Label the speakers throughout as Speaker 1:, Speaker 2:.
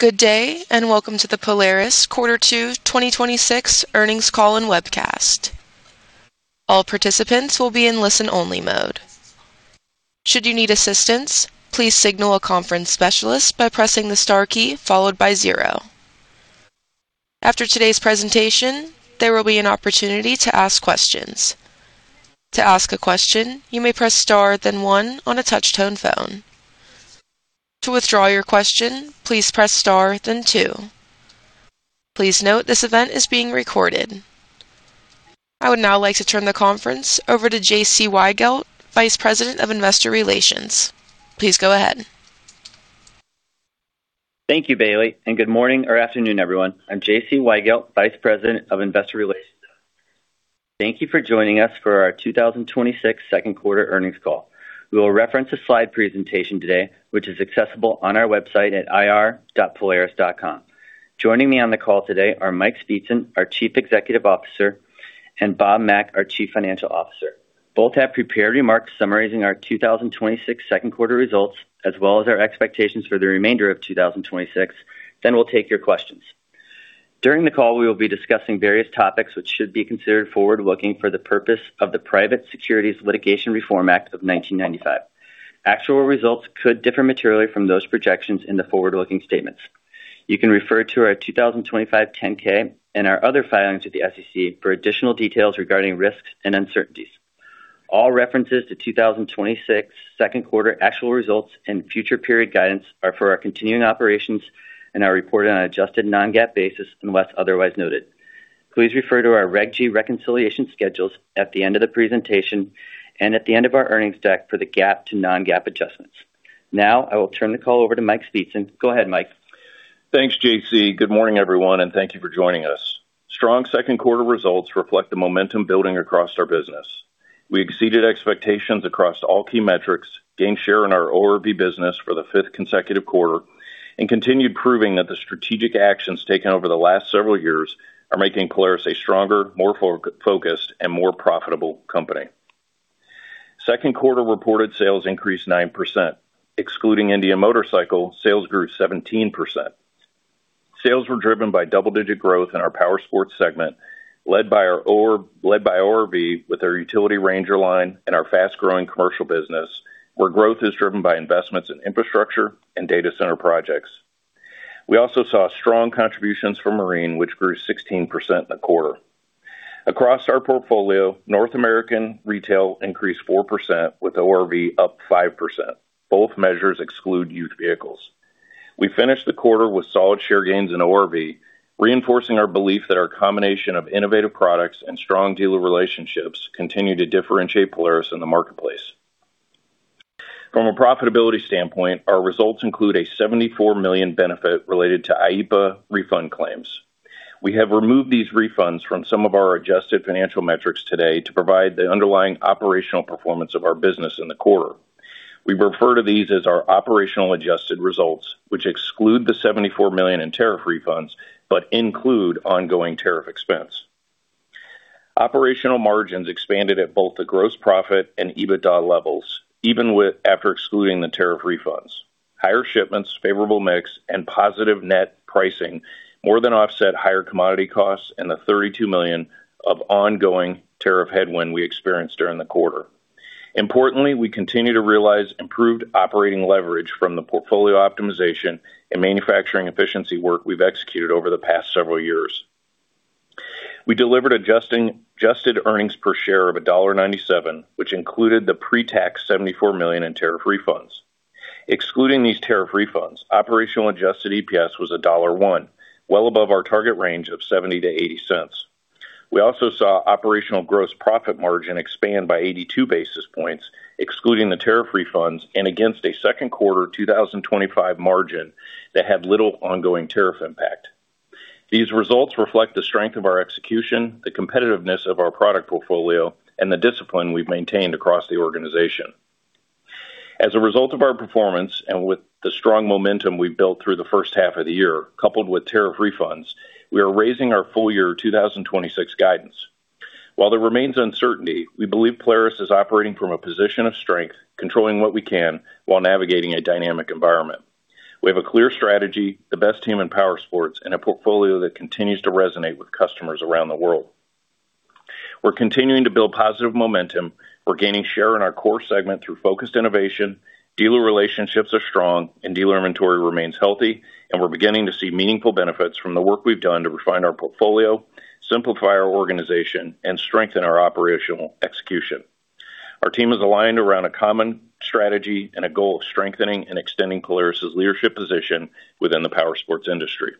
Speaker 1: Good day, welcome to the Polaris Quarter Two 2026 Earnings Call and Webcast. All participants will be in listen-only mode. Should you need assistance, please signal a conference specialist by pressing the star key followed by zero. After today's presentation, there will be an opportunity to ask questions. To ask a question, you may press star then one on a touch-tone phone. To withdraw your question, please press star then two. Please note this event is being recorded. I would now like to turn the conference over to J.C. Weigelt, Vice President of Investor Relations. Please go ahead.
Speaker 2: Thank you, Bailey, good morning or afternoon, everyone. I'm J.C. Weigelt, Vice President of Investor Relations. Thank you for joining us for our 2026 second quarter earnings call. We will reference a slide presentation today, which is accessible on our website at ir.polaris.com. Joining me on the call today are Mike Speetzen, our Chief Executive Officer, and Bob Mack, our Chief Financial Officer. Both have prepared remarks summarizing our 2026 second quarter results, as well as our expectations for the remainder of 2026. We'll take your questions. During the call, we will be discussing various topics which should be considered forward-looking for the purpose of the Private Securities Litigation Reform Act of 1995. Actual results could differ materially from those projections in the forward-looking statements. You can refer to our 2025 10-K and our other filings with the SEC for additional details regarding risks and uncertainties. All references to 2026 second quarter actual results and future period guidance are for our continuing operations and are reported on an adjusted non-GAAP basis unless otherwise noted. Please refer to our Regulation G reconciliation schedules at the end of the presentation and at the end of our earnings deck for the GAAP to non-GAAP adjustments. I will turn the call over to Mike Speetzen. Go ahead, Mike.
Speaker 3: Thanks, J.C. Good morning, everyone, thank you for joining us. Strong second quarter results reflect the momentum building across our business. We exceeded expectations across all key metrics, gained share in our ORV business for the fifth consecutive quarter, and continued proving that the strategic actions taken over the last several years are making Polaris a stronger, more focused, and more profitable company. Second quarter reported sales increased 9%. Excluding Indian Motorcycle, sales grew 17%. Sales were driven by double-digit growth in our Powersports segment, led by ORV with our Utility RANGER line and our fast-growing commercial business, where growth is driven by investments in infrastructure and data center projects. We also saw strong contributions from Marine, which grew 16% in the quarter. Across our portfolio, North American retail increased 4% with ORV up 5%. Both measures exclude used vehicles. We finished the quarter with solid share gains in ORV, reinforcing our belief that our combination of innovative products and strong dealer relationships continue to differentiate Polaris in the marketplace. From a profitability standpoint, our results include a $74 million benefit related to IEEPA refund claims. We have removed these refunds from some of our adjusted financial metrics today to provide the underlying operational performance of our business in the quarter. We refer to these as our operational adjusted results, which exclude the $74 million in tariff refunds but include ongoing tariff expense. Operational margins expanded at both the gross profit and EBITDA levels, even after excluding the tariff refunds. Higher shipments, favorable mix, and positive net pricing more than offset higher commodity costs and the $32 million of ongoing tariff headwind we experienced during the quarter. Importantly, we continue to realize improved operating leverage from the portfolio optimization and manufacturing efficiency work we've executed over the past several years. We delivered adjusted earnings per share of $1.97, which included the pre-tax $74 million in tariff refunds. Excluding these tariff refunds, operational adjusted EPS was $1.01, well above our target range of $0.70-$0.80. We also saw operational gross profit margin expand by 82 basis points, excluding the tariff refunds and against a second quarter 2025 margin that had little ongoing tariff impact. These results reflect the strength of our execution, the competitiveness of our product portfolio, and the discipline we've maintained across the organization. As a result of our performance, and with the strong momentum we've built through the first half of the year, coupled with tariff refunds, we are raising our full-year 2026 guidance. While there remains uncertainty, we believe Polaris is operating from a position of strength, controlling what we can while navigating a dynamic environment. We have a clear strategy, the best team in Powersports, and a portfolio that continues to resonate with customers around the world. We're continuing to build positive momentum. We're gaining share in our core segment through focused innovation. Dealer relationships are strong and dealer inventory remains healthy. We're beginning to see meaningful benefits from the work we've done to refine our portfolio, simplify our organization, and strengthen our operational execution. Our team is aligned around a common strategy and a goal of strengthening and extending Polaris' leadership position within the Powersports industry.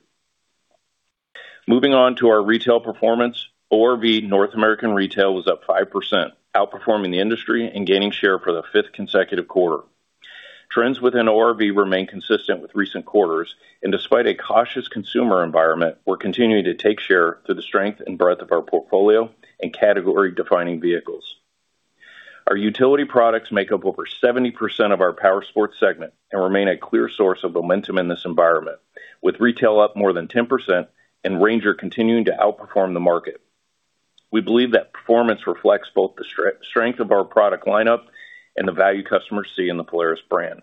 Speaker 3: Moving on to our retail performance, ORV North American retail was up 5%, outperforming the industry and gaining share for the fifth consecutive quarter. Trends within ORV remain consistent with recent quarters. Despite a cautious consumer environment, we're continuing to take share through the strength and breadth of our portfolio and category-defining vehicles. Our utility products make up over 70% of our Powersports segment and remain a clear source of momentum in this environment, with retail up more than 10% and RANGER continuing to outperform the market. We believe that performance reflects both the strength of our product lineup and the value customers see in the Polaris brand.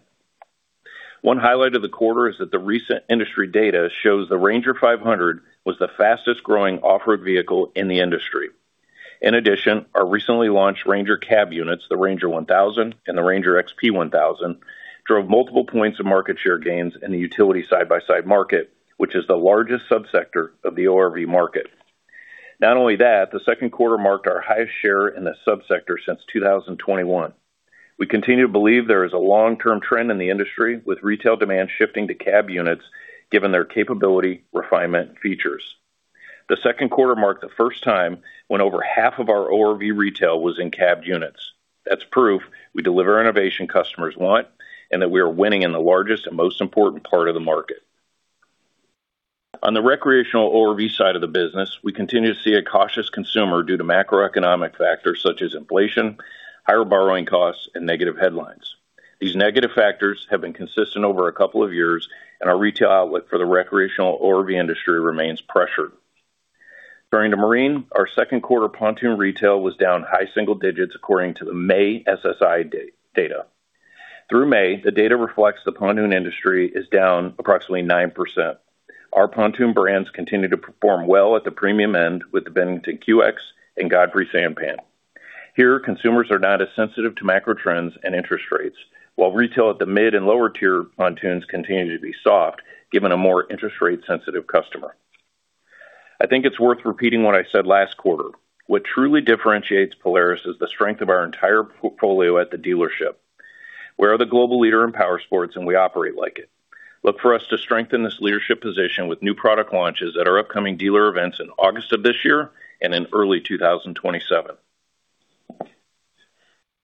Speaker 3: One highlight of the quarter is that the recent industry data shows the RANGER 500 was the fastest growing off-road vehicle in the industry. In addition, our recently launched RANGER cab units, the RANGER 1000 and the RANGER XP 1000, drove multiple points of market share gains in the utility side-by-side market, which is the largest sub-sector of the ORV market. Not only that, the second quarter marked our highest share in the sub-sector since 2021. We continue to believe there is a long-term trend in the industry, with retail demand shifting to cab units, given their capability, refinement, and features. The second quarter marked the first time when over half of our ORV retail was in cab units. That's proof we deliver innovation customers want and that we are winning in the largest and most important part of the market. On the recreational ORV side of the business, we continue to see a cautious consumer due to macroeconomic factors such as inflation, higher borrowing costs, and negative headlines. These negative factors have been consistent over a couple of years, and our retail outlet for the recreational ORV industry remains pressured. Turning to Marine, our second quarter pontoon retail was down high single digits according to the May SSI data. Through May, the data reflects the pontoon industry is down approximately 9%. Our pontoon brands continue to perform well at the premium end with the Bennington QX and Godfrey SanPan. Here, consumers are not as sensitive to macro trends and interest rates, while retail at the mid and lower tier pontoons continue to be soft, given a more interest rate sensitive customer. I think it's worth repeating what I said last quarter. What truly differentiates Polaris is the strength of our entire portfolio at the dealership. We are the global leader in powersports, and we operate like it. Look for us to strengthen this leadership position with new product launches at our upcoming dealer events in August of this year and in early 2027.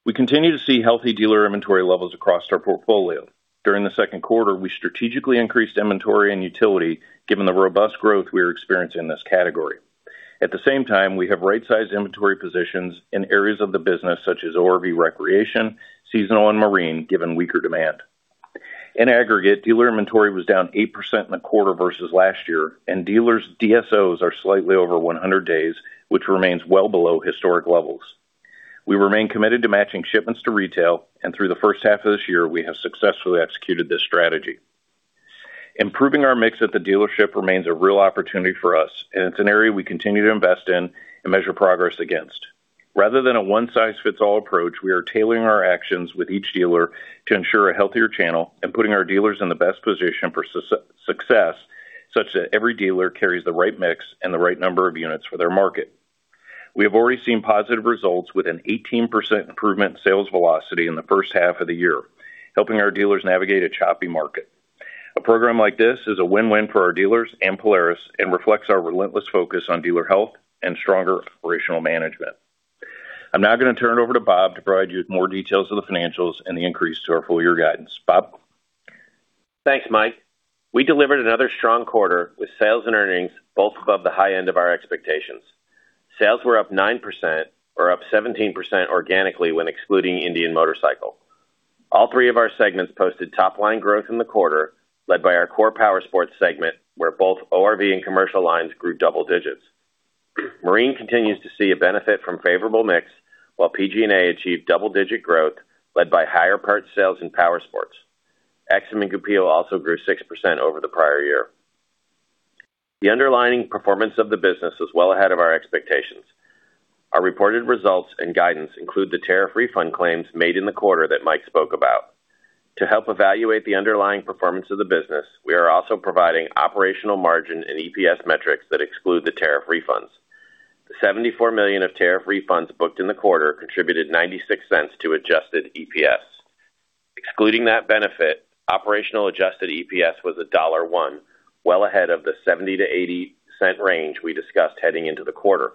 Speaker 3: We continue to see healthy dealer inventory levels across our portfolio. During the second quarter, we strategically increased inventory and utility given the robust growth we are experiencing in this category. At the same time, we have right-sized inventory positions in areas of the business such as ORV Recreation, Seasonal and Marine, given weaker demand. In aggregate, dealer inventory was down 8% in the quarter versus last year, and dealers' DSOs are slightly over 100 days, which remains well below historic levels. We remain committed to matching shipments to retail, and through the first half of this year, we have successfully executed this strategy. Improving our mix at the dealership remains a real opportunity for us, and it's an area we continue to invest in and measure progress against. Rather than a one size fits all approach, we are tailoring our actions with each dealer to ensure a healthier channel and putting our dealers in the best position for success, such that every dealer carries the right mix and the right number of units for their market. We have already seen positive results with an 18% improvement in sales velocity in the first half of the year, helping our dealers navigate a choppy market. A program like this is a win-win for our dealers and Polaris and reflects our relentless focus on dealer health and stronger operational management. I'm now going to turn it over to Bob to provide you with more details of the financials and the increase to our full-year guidance. Bob?
Speaker 4: Thanks, Mike. We delivered another strong quarter with sales and earnings both above the high end of our expectations. Sales were up 9% or up 17% organically when excluding Indian Motorcycle. All three of our segments posted top-line growth in the quarter, led by our core powersports segment, where both ORV and commercial lines grew double digits. Marine continues to see a benefit from favorable mix, while PG&A achieved double-digit growth led by higher parts sales and powersports. Aixam and Goupil also grew 6% over the prior year. The underlying performance of the business was well ahead of our expectations. Our reported results and guidance include the tariff refund claims made in the quarter that Mike spoke about. To help evaluate the underlying performance of the business, we are also providing operational margin and EPS metrics that exclude the tariff refunds. The $74 million of tariff refunds booked in the quarter contributed $0.96 to adjusted EPS. Excluding that benefit, operational adjusted EPS was $1.01, well ahead of the $0.70-$0.80 range we discussed heading into the quarter.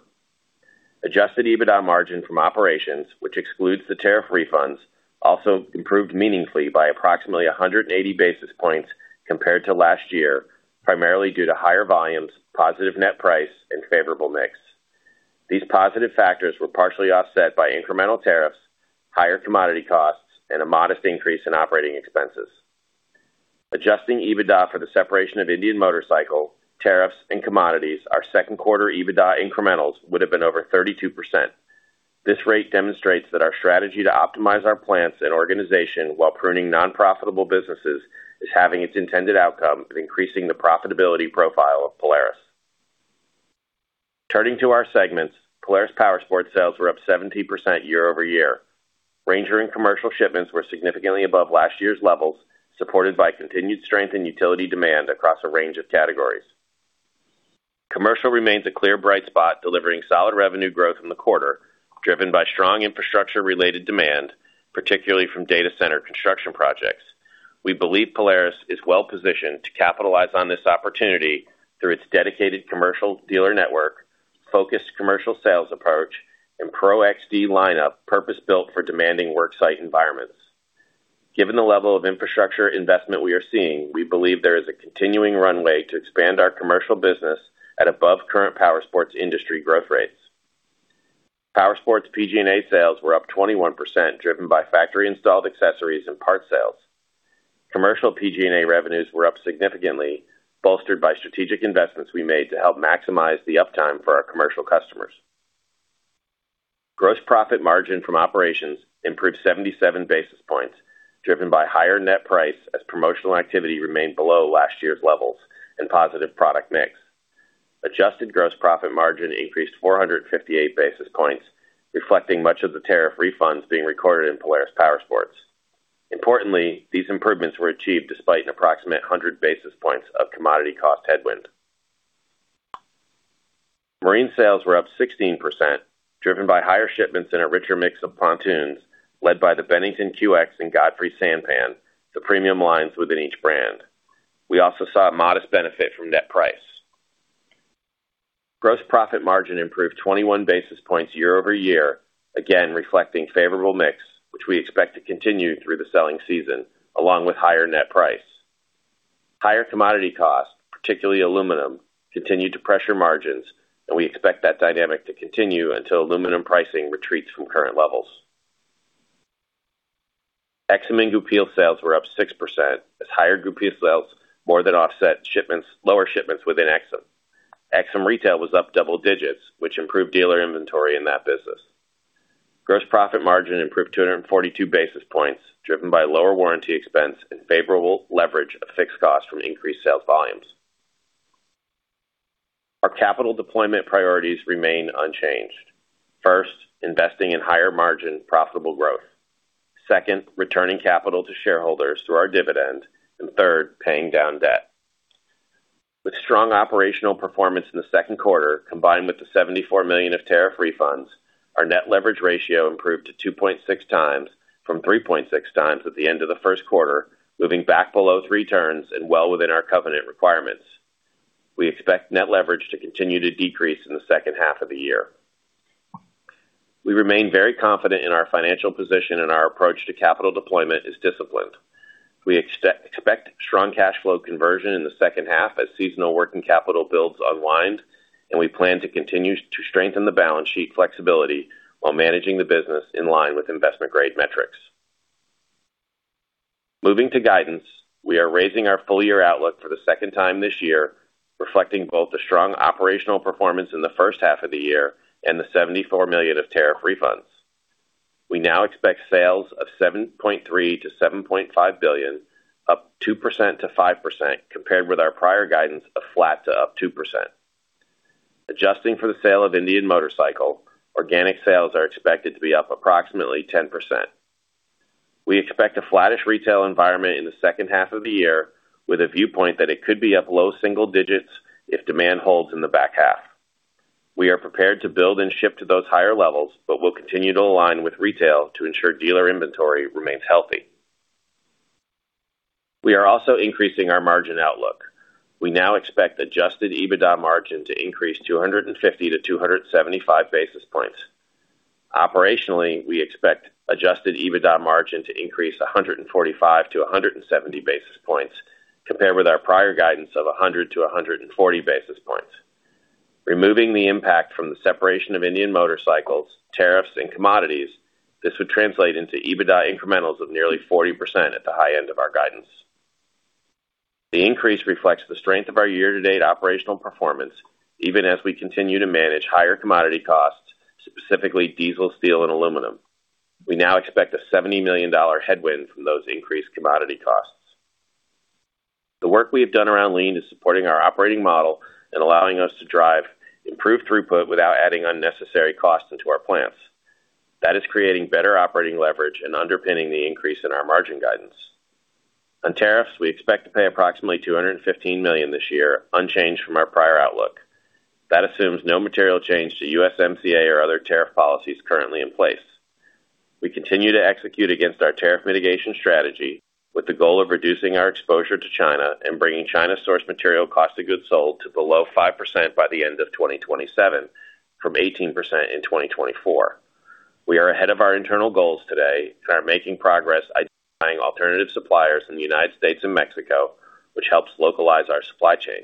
Speaker 4: Adjusted EBITDA margin from operations, which excludes the tariff refunds, also improved meaningfully by approximately 180 basis points compared to last year, primarily due to higher volumes, positive net price and favorable mix. These positive factors were partially offset by incremental tariffs, higher commodity costs, and a modest increase in operating expenses. Adjusting EBITDA for the separation of Indian Motorcycle, tariffs and commodities, our second quarter EBITDA incrementals would have been over 32%. This rate demonstrates that our strategy to optimize our plants and organization while pruning non-profitable businesses is having its intended outcome of increasing the profitability profile of Polaris. Turning to our segments, Polaris powersport sales were up 17% year-over-year. RANGER and commercial shipments were significantly above last year's levels, supported by continued strength in utility demand across a range of categories. Commercial remains a clear bright spot, delivering solid revenue growth in the quarter, driven by strong infrastructure-related demand, particularly from data center construction projects. We believe Polaris is well positioned to capitalize on this opportunity through its dedicated commercial dealer network, focused commercial sales approach, and Pro XD lineup purpose-built for demanding work site environments. Given the level of infrastructure investment we are seeing, we believe there is a continuing runway to expand our commercial business at above current powersports industry growth rates. Powersports PG&A sales were up 21%, driven by factory-installed accessories and parts sales. Commercial PG&A revenues were up significantly, bolstered by strategic investments we made to help maximize the uptime for our commercial customers. Gross profit margin from operations improved 77 basis points, driven by higher net price as promotional activity remained below last year's levels and positive product mix. Adjusted gross profit margin increased 458 basis points, reflecting much of the tariff refunds being recorded in Polaris Powersports. Importantly, these improvements were achieved despite an approximate 100 basis points of commodity cost headwind. Marine sales were up 16%, driven by higher shipments and a richer mix of pontoons, led by the Bennington QX and Godfrey SanPan, the premium lines within each brand. We also saw a modest benefit from net price. Gross profit margin improved 21 basis points year-over-year, again, reflecting favorable mix, which we expect to continue through the selling season, along with higher net price. Higher commodity costs, particularly aluminum, continued to pressure margins. We expect that dynamic to continue until aluminum pricing retreats from current levels. Aixam and Goupil sales were up 6% as higher Goupil sales more than offset lower shipments within Aixam. Aixam retail was up double digits, which improved dealer inventory in that business. Gross profit margin improved 242 basis points, driven by lower warranty expense and favorable leverage of fixed costs from increased sales volumes. Our capital deployment priorities remain unchanged. First, investing in higher margin profitable growth. Second, returning capital to shareholders through our dividend. Third, paying down debt. With strong operational performance in the second quarter, combined with the $74 million of tariff refunds, our net leverage ratio improved to 2.6 times from 3.6 times at the end of the first quarter, moving back below three turns and well within our covenant requirements. We expect net leverage to continue to decrease in the second half of the year. We remain very confident in our financial position. Our approach to capital deployment is disciplined. We expect strong cash flow conversion in the second half as seasonal working capital builds unwind. We plan to continue to strengthen the balance sheet flexibility while managing the business in line with investment-grade metrics. Moving to guidance, we are raising our full-year outlook for the second time this year, reflecting both the strong operational performance in the first half of the year and the $74 million of tariff refunds. We now expect sales of $7.3 billion-$7.5 billion, up 2%-5%, compared with our prior guidance of flat to up 2%. Adjusting for the sale of Indian Motorcycle, organic sales are expected to be up approximately 10%. We expect a flattish retail environment in the second half of the year with a viewpoint that it could be up low single digits if demand holds in the back half. We are prepared to build and ship to those higher levels. Will continue to align with retail to ensure dealer inventory remains healthy. We are also increasing our margin outlook. We now expect adjusted EBITDA margin to increase 250-275 basis points. Operationally, we expect adjusted EBITDA margin to increase 145-170 basis points compared with our prior guidance of 100-140 basis points. Removing the impact from the separation of Indian Motorcycle, tariffs, and commodities, this would translate into EBITDA incrementals of nearly 40% at the high end of our guidance. The increase reflects the strength of our year-to-date operational performance, even as we continue to manage higher commodity costs, specifically diesel, steel, and aluminum. We now expect a $70 million headwind from those increased commodity costs. The work we have done around Lean is supporting our operating model. Allowing us to drive improved throughput without adding unnecessary costs into our plants. That is creating better operating leverage and underpinning the increase in our margin guidance. On tariffs, we expect to pay approximately $215 million this year, unchanged from our prior outlook. That assumes no material change to USMCA or other tariff policies currently in place. We continue to execute against our tariff mitigation strategy with the goal of reducing our exposure to China and bringing China source material cost of goods sold to below 5% by the end of 2027, from 18% in 2024. We are ahead of our internal goals today and are making progress identifying alternative suppliers in the U.S. and Mexico, which helps localize our supply chain.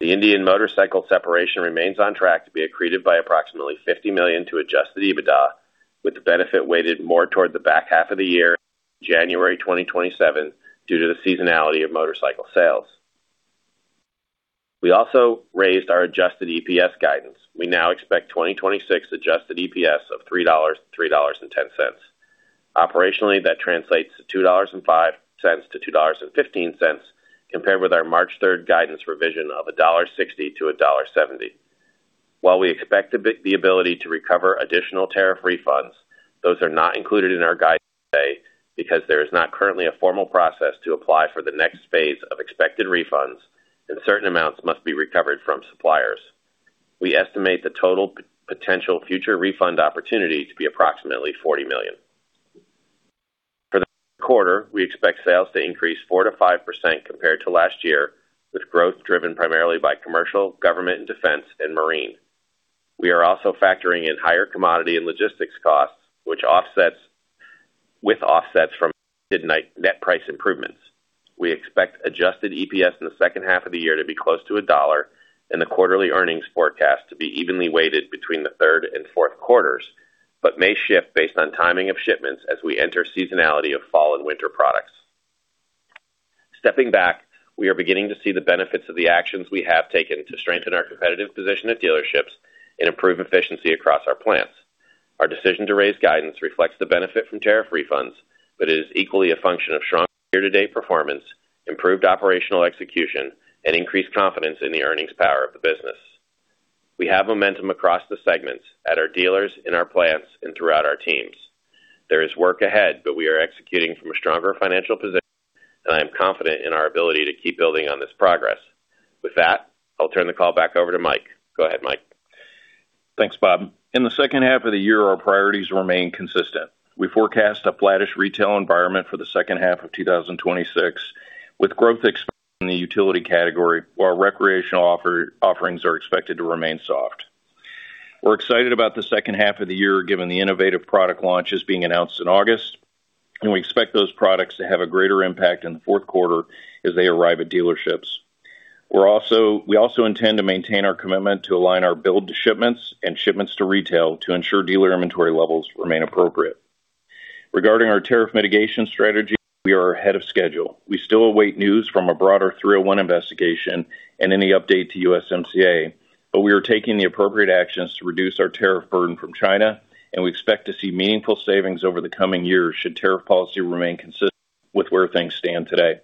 Speaker 4: The Indian Motorcycle separation remains on track to be accreted by approximately $50 million to adjusted EBITDA, with the benefit weighted more toward the back half of the year, January 2027, due to the seasonality of motorcycle sales. We also raised our adjusted EPS guidance. We now expect 2026 adjusted EPS of $3 to $3.10. Operationally, that translates to $2.05 to $2.15, compared with our March 3rd guidance revision of $1.60 to $1.70. While we expect the ability to recover additional tariff refunds, those are not included in our guidance today because there is not currently a formal process to apply for the next phase of expected refunds and certain amounts must be recovered from suppliers. We estimate the total potential future refund opportunity to be approximately $40 million. For the quarter, we expect sales to increase 4%-5% compared to last year, with growth driven primarily by commercial, government and defense, and marine. We are also factoring in higher commodity and logistics costs, with offsets from net price improvements. We expect adjusted EPS in the second half of the year to be close to $1 and the quarterly earnings forecast to be evenly weighted between the third and fourth quarters, but may shift based on timing of shipments as we enter seasonality of fall and winter products. Stepping back, we are beginning to see the benefits of the actions we have taken to strengthen our competitive position at dealerships and improve efficiency across our plants. Our decision to raise guidance reflects the benefit from tariff refunds, it is equally a function of strong year-to-date performance, improved operational execution, and increased confidence in the earnings power of the business. We have momentum across the segments, at our dealers, in our plants, and throughout our teams. There is work ahead, we are executing from a stronger financial position, and I am confident in our ability to keep building on this progress. With that, I'll turn the call back over to Mike. Go ahead, Mike.
Speaker 3: Thanks, Bob. In the second half of the year, our priorities remain consistent. We forecast a flattish retail environment for the second half of 2026, with growth expected in the utility category, while recreational offerings are expected to remain soft. We're excited about the second half of the year, given the innovative product launches being announced in August. We expect those products to have a greater impact in the fourth quarter as they arrive at dealerships. We also intend to maintain our commitment to align our build to shipments and shipments to retail to ensure dealer inventory levels remain appropriate. Regarding our tariff mitigation strategy, we are ahead of schedule. We still await news from a broader 301 investigation and any update to USMCA, but we are taking the appropriate actions to reduce our tariff burden from China. We expect to see meaningful savings over the coming years should tariff policy remain consistent with where things stand today.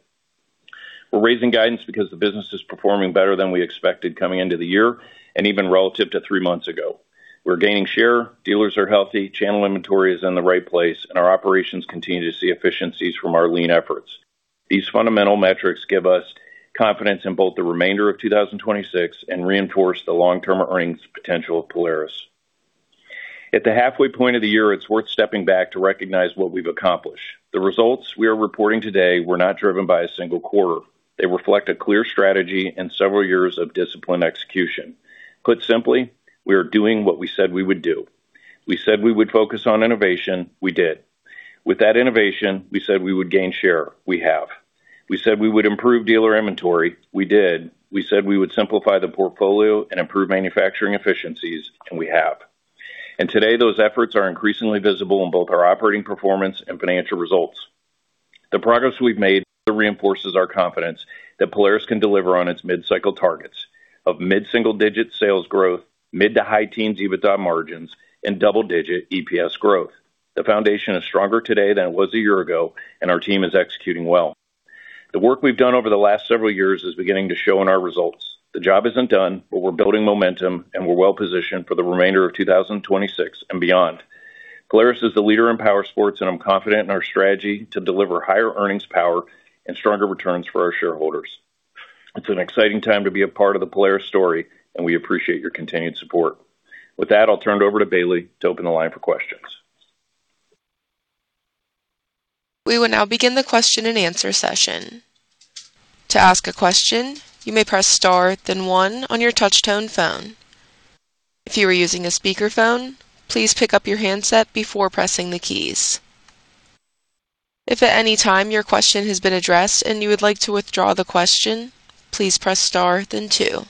Speaker 3: We're raising guidance because the business is performing better than we expected coming into the year and even relative to three months ago. We're gaining share, dealers are healthy, channel inventory is in the right place. Our operations continue to see efficiencies from our Lean efforts. These fundamental metrics give us confidence in both the remainder of 2026 and reinforce the long-term earnings potential of Polaris. At the halfway point of the year, it's worth stepping back to recognize what we've accomplished. The results we are reporting today were not driven by a single quarter. They reflect a clear strategy and several years of disciplined execution. Put simply, we are doing what we said we would do. We said we would focus on innovation. We did. With that innovation, we said we would gain share. We have. We said we would improve dealer inventory. We did. We said we would simplify the portfolio and improve manufacturing efficiencies, and we have. Today, those efforts are increasingly visible in both our operating performance and financial results. The progress we've made also reinforces our confidence that Polaris can deliver on its mid-cycle targets of mid-single digit sales growth, mid to high teens EBITDA margins, and double-digit EPS growth. The foundation is stronger today than it was a year ago, and our team is executing well. The work we've done over the last several years is beginning to show in our results. The job isn't done, but we're building momentum. We're well positioned for the remainder of 2026 and beyond. Polaris is the leader in powersports. I'm confident in our strategy to deliver higher earnings power and stronger returns for our shareholders. It's an exciting time to be a part of the Polaris story. We appreciate your continued support. With that, I'll turn it over to Bailey to open the line for questions.
Speaker 1: We will now begin the question-and-answer session. To ask a question, you may press star then one on your touch tone phone. If you are using a speakerphone, please pick up your handset before pressing the keys. If at any time your question has been addressed and you would like to withdraw the question, please press star then two.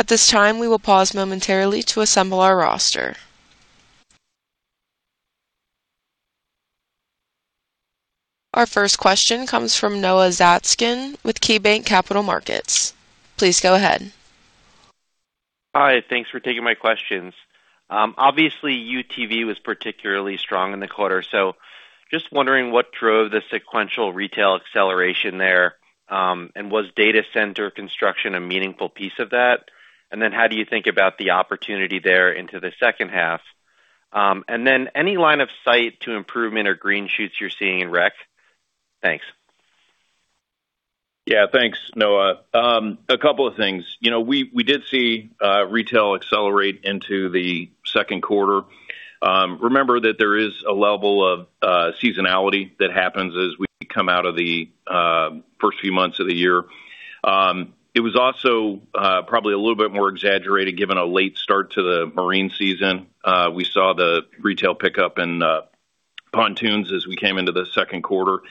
Speaker 1: At this time, we will pause momentarily to assemble our roster. Our first question comes from Noah Zatzkin with KeyBanc Capital Markets. Please go ahead.
Speaker 5: Thanks for taking my questions. Obviously, UTV was particularly strong in the quarter. Just wondering what drove the sequential retail acceleration there, and was data center construction a meaningful piece of that? How do you think about the opportunity there into the second half? Any line of sight to improvement or green shoots you're seeing in Rec? Thanks.
Speaker 3: Yeah. Thanks, Noah. A couple of things. We did see retail accelerate into the second quarter. Remember that there is a level of seasonality that happens as we come out of the first few months of the year. It was also probably a little bit more exaggerated given a late start to the marine season. We saw the retail pickup in pontoons as we came into the second quarter.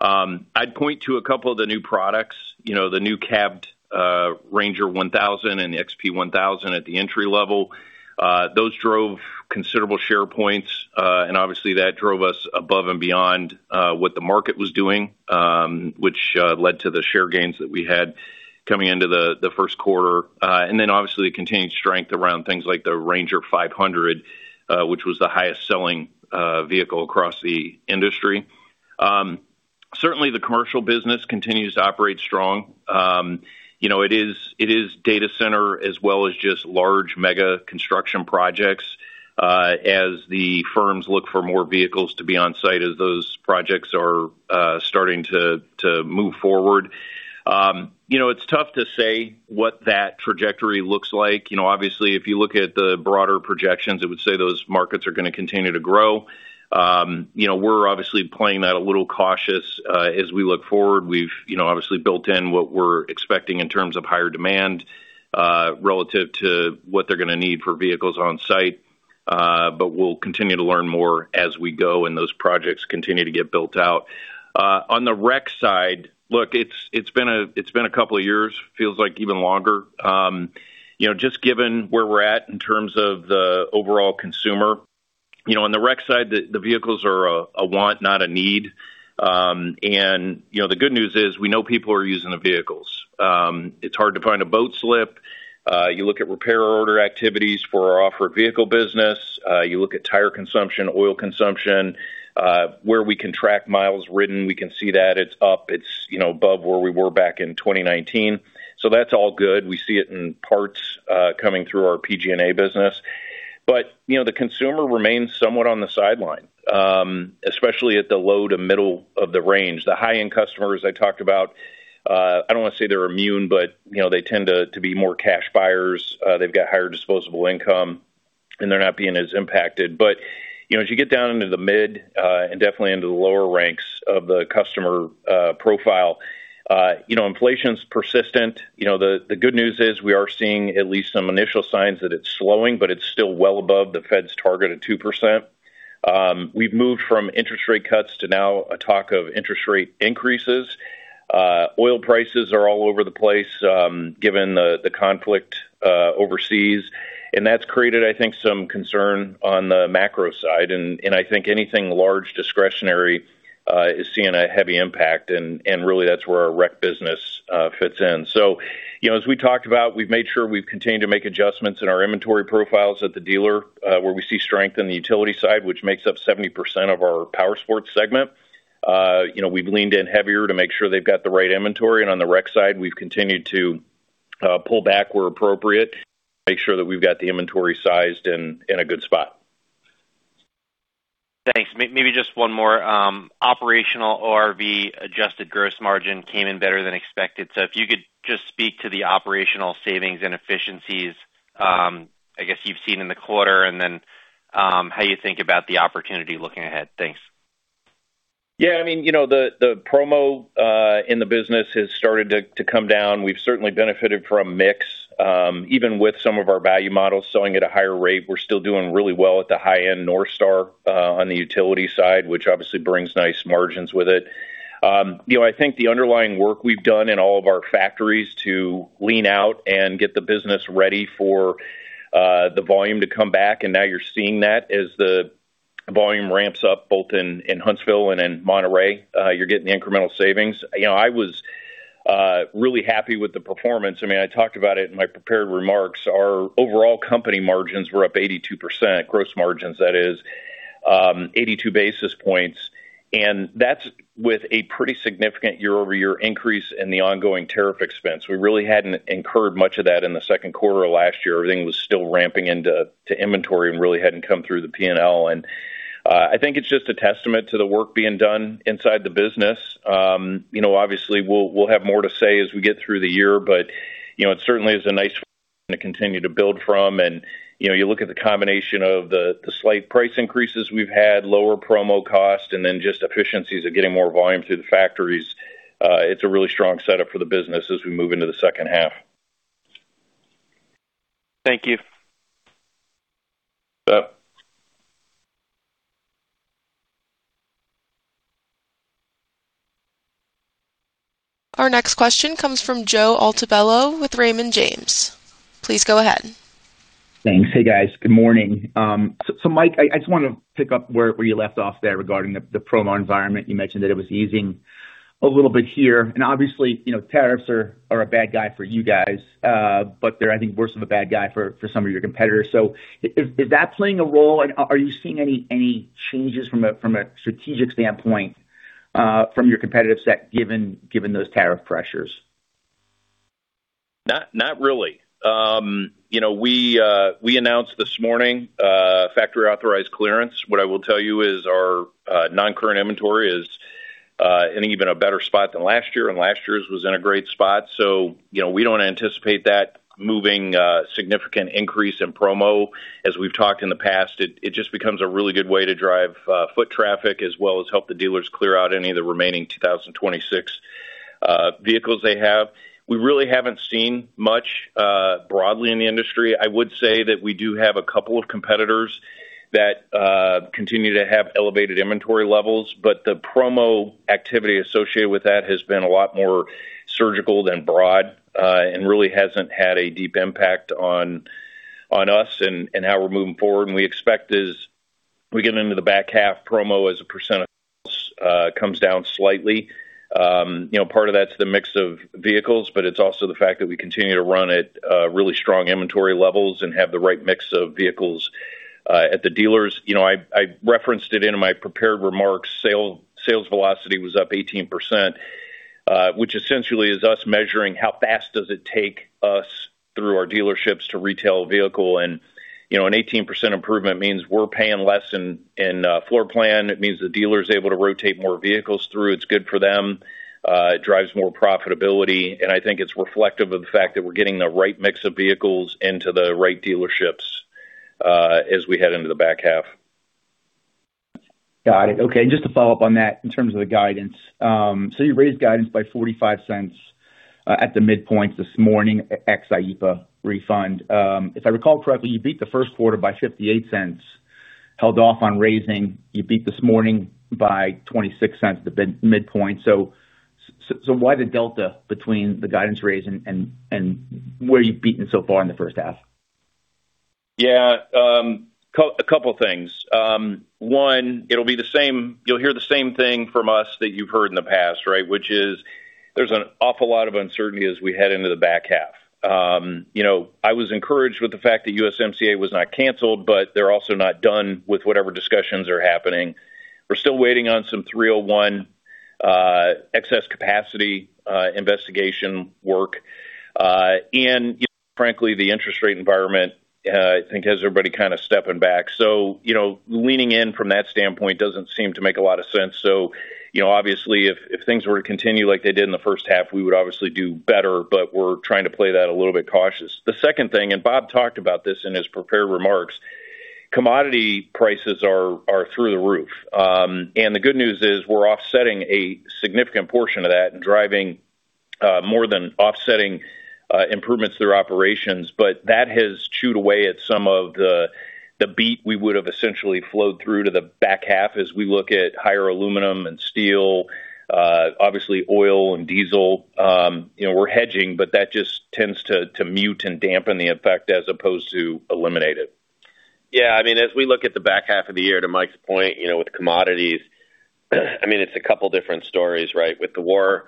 Speaker 3: I'd point to a couple of the new products. The new cabbed RANGER 1000 and the XP 1000 at the entry level. Those drove considerable share points. Obviously that drove us above and beyond what the market was doing, which led to the share gains that we had coming into the first quarter. Obviously the continued strength around things like the RANGER 500, which was the highest selling vehicle across the industry. Certainly, the commercial business continues to operate strong. It is data center as well as just large mega construction projects, as the firms look for more vehicles to be on site. We'll continue to learn more as we go and those projects continue to get built out. On the rec side, look, it's been a couple of years, feels like even longer. Just given where we're at in terms of the overall consumer, on the rec side, the vehicles are a want, not a need. The good news is we know people are using the vehicles. It's hard to find a boat slip. You look at repair order activities for our off-road vehicle business. You look at tire consumption, oil consumption where we can track miles ridden, we can see that it's up, it's above where we were back in 2019. That's all good. We see it in parts coming through our PG&A business. The consumer remains somewhat on the sideline especially at the low to middle of the range. The high-end customers I talked about, I don't want to say they're immune, but they tend to be more cash buyers. They've got higher disposable income, and they're not being as impacted. As you get down into the mid and definitely into the lower ranks of the customer profile, inflation's persistent. The good news is we are seeing at least some initial signs that it's slowing, but it's still well above the Fed's target of 2%. We've moved from interest rate cuts to now a talk of interest rate increases. Oil prices are all over the place given the conflict overseas, and that's created, I think, some concern on the macro side, and I think anything large discretionary is seeing a heavy impact and really that's where our rec business fits in. As we talked about, we've made sure we've continued to make adjustments in our inventory profiles at the dealer where we see strength in the utility side, which makes up 70% of our powersports segment. We've leaned in heavier to make sure they've got the right inventory, and on the rec side, we've continued to pull back where appropriate, make sure that we've got the inventory sized and in a good spot.
Speaker 5: Thanks. Maybe just one more. Operational ORV adjusted gross margin came in better than expected. If you could just speak to the operational savings and efficiencies I guess you've seen in the quarter and then how you think about the opportunity looking ahead. Thanks.
Speaker 3: Yeah. The promo in the business has started to come down. We've certainly benefited from mix even with some of our value models selling at a higher rate. We're still doing really well at the high end NorthStar on the utility side, which obviously brings nice margins with it. I think the underlying work we've done in all of our factories to lean out and get the business ready for the volume to come back, and now you're seeing that as the volume ramps up both in Huntsville and in Monterrey you're getting the incremental savings. I was really happy with the performance. I talked about it in my prepared remarks. Our overall company margins were up 82%, gross margins that is 82 basis points. That's with a pretty significant year-over-year increase in the ongoing tariff expense. We really hadn't incurred much of that in the second quarter of last year. Everything was still ramping into inventory and really hadn't come through the P&L. I think it's just a testament to the work being done inside the business. Obviously, we'll have more to say as we get through the year, but it certainly is a nice to continue to build from. You look at the combination of the slight price increases we've had, lower promo cost, then just efficiencies of getting more volume through the factories. It's a really strong setup for the business as we move into the second half.
Speaker 5: Thank you.
Speaker 3: You bet.
Speaker 1: Our next question comes from Joe Altobello with Raymond James. Please go ahead.
Speaker 6: Thanks. Hey, guys. Good morning. Mike, I just want to pick up where you left off there regarding the promo environment. You mentioned that it was easing a little bit here and obviously, tariffs are a bad guy for you guys but they're, I think, worse of a bad guy for some of your competitors. Is that playing a role? Are you seeing any changes from a strategic standpoint from your competitive set given those tariff pressures?
Speaker 3: Not really. We announced this morning factory authorized clearance. What I will tell you is our non-current inventory is in an even a better spot than last year and last year's was in a great spot. We don't anticipate that moving significant increase in promo. As we've talked in the past, it just becomes a really good way to drive foot traffic as well as help the dealers clear out any of the remaining 2026 vehicles they have. We really haven't seen much broadly in the industry. I would say that we do have a couple of competitors that continue to have elevated inventory levels, but the promo activity associated with that has been a lot more surgical than broad and really hasn't had a deep impact on us and how we're moving forward. We expect as we get into the back half promo as a percent of comes down slightly. Part of that's the mix of vehicles, but it's also the fact that we continue to run at really strong inventory levels and have the right mix of vehicles at the dealers. I referenced it in my prepared remarks, sales velocity was up 18%, which essentially is us measuring how fast does it take us through our dealerships to retail a vehicle and an 18% improvement means we're paying less in floor plan. It means the dealer's able to rotate more vehicles through. It's good for them. It drives more profitability, and I think it's reflective of the fact that we're getting the right mix of vehicles into the right dealerships as we head into the back half.
Speaker 6: Got it. Okay. Just to follow up on that in terms of the guidance. You raised guidance by $0.45 at the midpoint this morning, ex IEEPA refund. If I recall correctly, you beat the first quarter by $0.58, held off on raising. You beat this morning by $0.26 at the midpoint. Why the delta between the guidance raise and where you've beaten so far in the first half?
Speaker 3: A couple things. One, you'll hear the same thing from us that you've heard in the past, right? There's an awful lot of uncertainty as we head into the back half. I was encouraged with the fact that USMCA was not canceled, they're also not done with whatever discussions are happening. We're still waiting on some 301 excess capacity investigation work. The interest rate environment, I think, has everybody kind of stepping back. Leaning in from that standpoint doesn't seem to make a lot of sense. Obviously, if things were to continue like they did in the first half, we would obviously do better, we're trying to play that a little bit cautious. The second thing, Bob talked about this in his prepared remarks, commodity prices are through the roof. The good news is we're offsetting a significant portion of that and driving more than offsetting improvements through operations. That has chewed away at some of the beat we would have essentially flowed through to the back half as we look at higher aluminum and steel. Obviously, oil and diesel. We're hedging, that just tends to mute and dampen the effect as opposed to eliminate it.
Speaker 4: As we look at the back half of the year, to Mike's point, with commodities, it's a couple different stories, right? With the war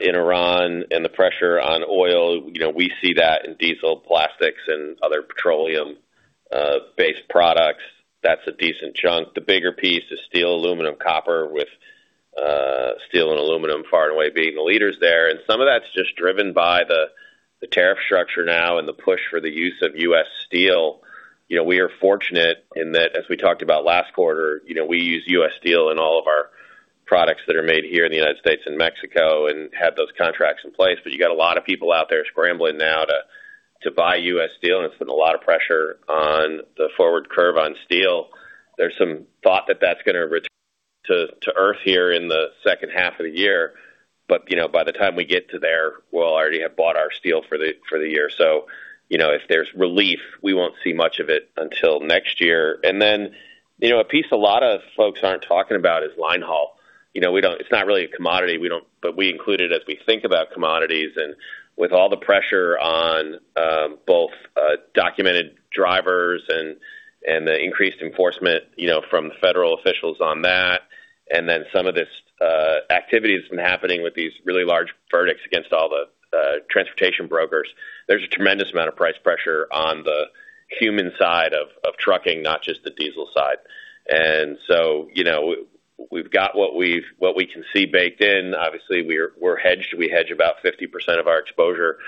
Speaker 4: in Iran and the pressure on oil, we see that in diesel, plastics, and other petroleum-based products. That's a decent chunk. The bigger piece is steel, aluminum, copper, with steel and aluminum far and away being the leaders there. Some of that's just driven by the tariff structure now and the push for the use of U.S. steel. We are fortunate in that, as we talked about last quarter, we use U.S. steel in all of our products that are made here in the United States and Mexico and have those contracts in place. You got a lot of people out there scrambling now to buy U.S. steel, and it's putting a lot of pressure on the forward curve on steel. There's some thought that that's going to return to earth here in the second half of the year. By the time we get to there, we'll already have bought our steel for the year. If there's relief, we won't see much of it until next year. A piece a lot of folks aren't talking about is line haul. It's not really a commodity, we include it as we think about commodities. With all the pressure on both documented drivers and the increased enforcement from the federal officials on that, some of this activity that's been happening with these really large verdicts against all the transportation brokers. There's a tremendous amount of price pressure on the human side of trucking, not just the diesel side. We've got what we can see baked in. Obviously, we're hedged. We hedge about 50% of our exposure.